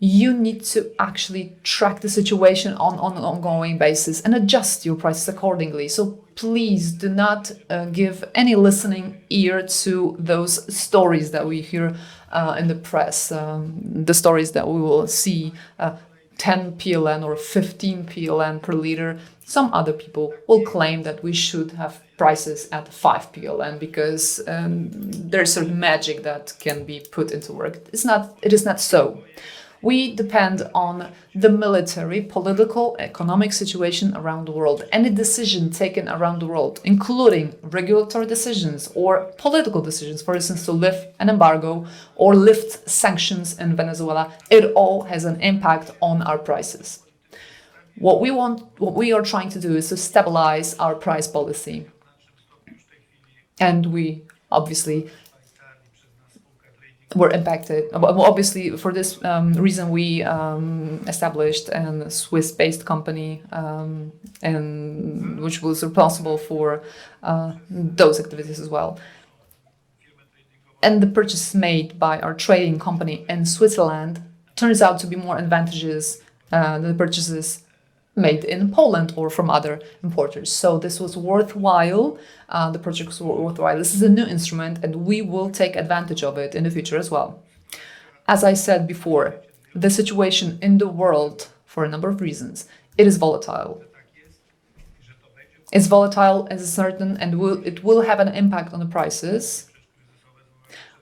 you need to actually track the situation on an ongoing basis and adjust your prices accordingly. Please do not give any listening ear to those stories that we hear in the press, the stories that we will see 10 PLN or 15 PLN per liter. Some other people will claim that we should have prices at 5 PLN because there's some magic that can be put into work. It is not so. We depend on the military, political, economic situation around the world. Any decision taken around the world, including regulatory decisions or political decisions, for instance, to lift an embargo or lift sanctions in Venezuela, it all has an impact on our prices. What we are trying to do is to stabilize our price policy, and we obviously were impacted... Well, obviously, for this reason, we established an Swiss-based company, and which was responsible for those activities as well. The purchase made by our trading company in Switzerland turns out to be more advantageous than the purchases made in Poland or from other importers. This was worthwhile, the purchase was worthwhile. This is a new instrument, and we will take advantage of it in the future as well. As I said before, the situation in the world, for a number of reasons, it is volatile. It's volatile, uncertain, and it will have an impact on the prices.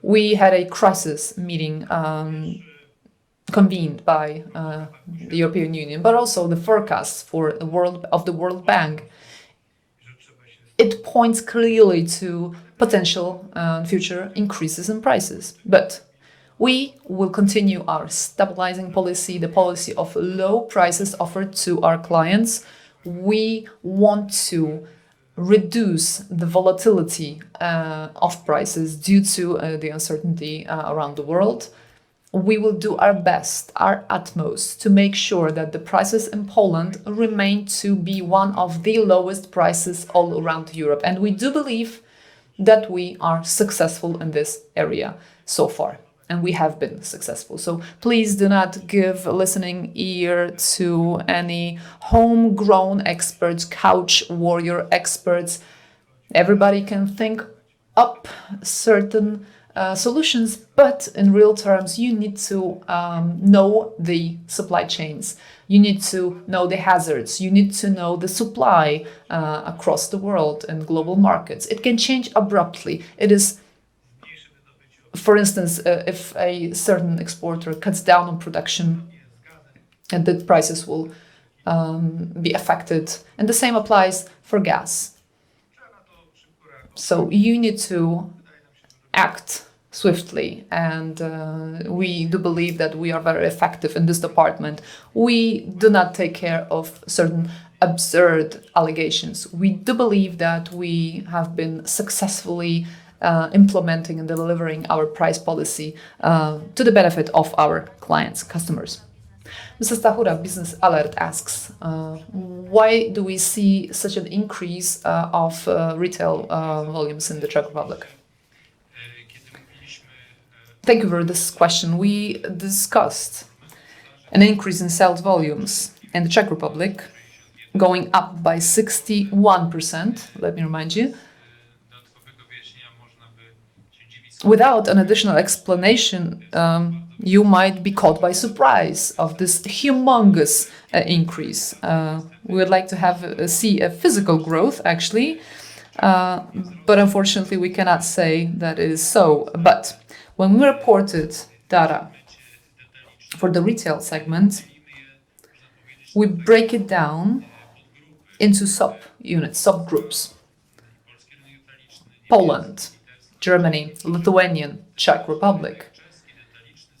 We had a crisis meeting, convened by the European Union, but also the forecasts of the World Bank it points clearly to potential future increases in prices. We will continue our stabilizing policy, the policy of low prices offered to our clients. We want to reduce the volatility of prices due to the uncertainty around the world. We will do our best, our utmost, to make sure that the prices in Poland remain to be one of the lowest prices all around Europe, and we do believe that we are successful in this area so far, and we have been successful. Please do not give a listening ear to any homegrown experts, couch warrior experts. Everybody can think up certain solutions. In real terms, you need to know the supply chains, you need to know the hazards, you need to know the supply across the world and global markets. It can change abruptly. It is, for instance, if a certain exporter cuts down on production, the prices will be affected, the same applies for gas. You need to act swiftly, we do believe that we are very effective in this department. We do not take care of certain absurd allegations. We do believe that we have been successfully implementing and delivering our price policy to the benefit of our clients, customers. Mr. Stachura, BiznesAlert.pl asks: "Why do we see such an increase of retail volumes in the Czech Republic?" Thank you for this question. We discussed an increase in sales volumes in the Czech Republic, going up by 61%, let me remind you. Without an additional explanation, you might be caught by surprise of this humongous increase. We would like to see a physical growth, actually, but unfortunately, we cannot say that it is so. When we reported data for the retail segment, we break it down into sub-units, subgroups: Poland, Germany, Lithuanian, Czech Republic.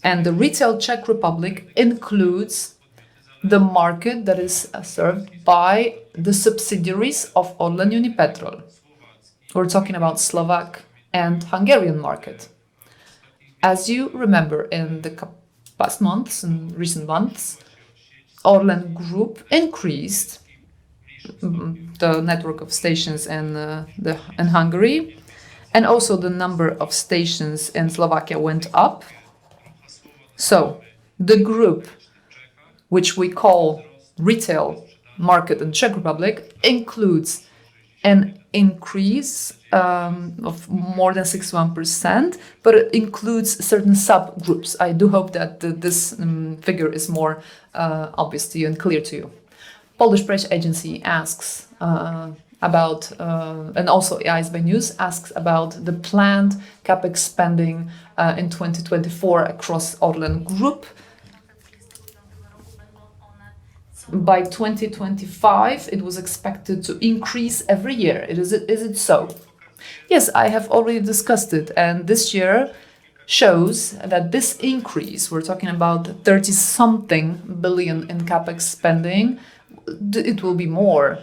The retail Czech Republic includes the market that is served by the subsidiaries of ORLEN Unipetrol. We're talking about Slovak and Hungarian market. As you remember, in the past months, in recent months, ORLEN Group increased the network of stations in Hungary, and also the number of stations in Slovakia went up. The group, which we call retail market in Czech Republic, includes an increase of more than 61%, but it includes certain subgroups. I do hope that this figure is more obvious to you and clear to you. Polish Press Agency asks. ISB News asks about the planned CapEx spending in 2024 across ORLEN Group. By 2025, it was expected to increase every year. Is it so? Yes, I have already discussed it, and this year shows that this increase, we're talking about 30-something billion in CapEx spending. It will be more.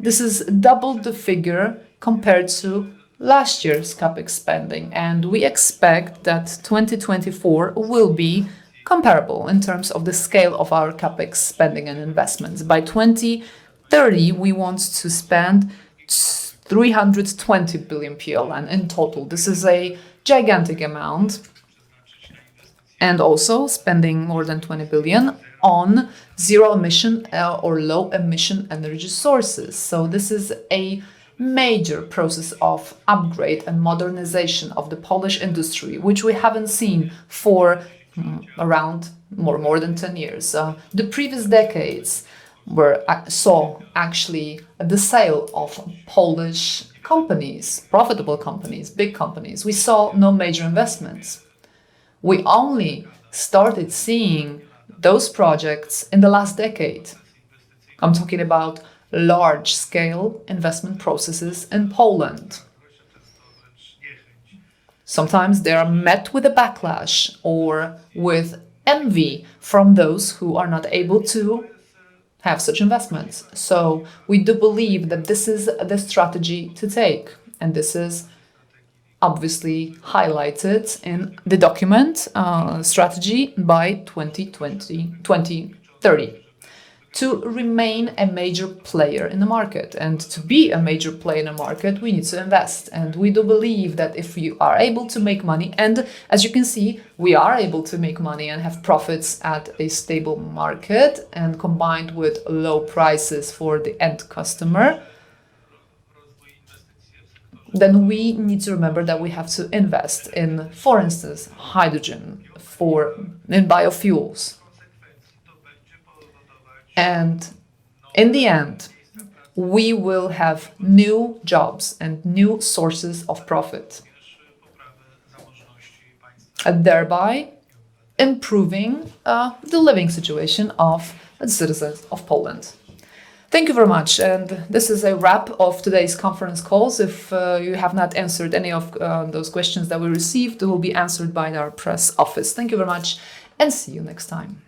This is double the figure compared to last year's CapEx spending, and we expect that 2024 will be comparable in terms of the scale of our CapEx spending and investments. By 2030, we want to spend 320 billion PLN in total. This is a gigantic amount, and also spending more than 20 billion on zero-emission or low-emission energy sources. This is a major process of upgrade and modernization of the Polish industry, which we haven't seen for, around more than 10 years. The previous decades were actually the sale of Polish companies, profitable companies, big companies. We saw no major investments. We only started seeing those projects in the last decade. I'm talking about large-scale investment processes in Poland. Sometimes they are met with a backlash or with envy from those who are not able to have such investments. We do believe that this is the strategy to take, and this is obviously highlighted in the document, strategy by 2020 - 2030. To remain a major player in the market, and to be a major player in the market, we need to invest, and we do believe that if you are able to make money... As you can see, we are able to make money and have profits at a stable market, combined with low prices for the end customer, we need to remember that we have to invest in, for instance, hydrogen, in biofuels. In the end, we will have new jobs and new sources of profit, and thereby improving the living situation of the citizens of Poland. Thank you very much. This is a wrap of today's conference calls. If you have not answered any of those questions that we received, they will be answered by our press office. Thank you very much. See you next time.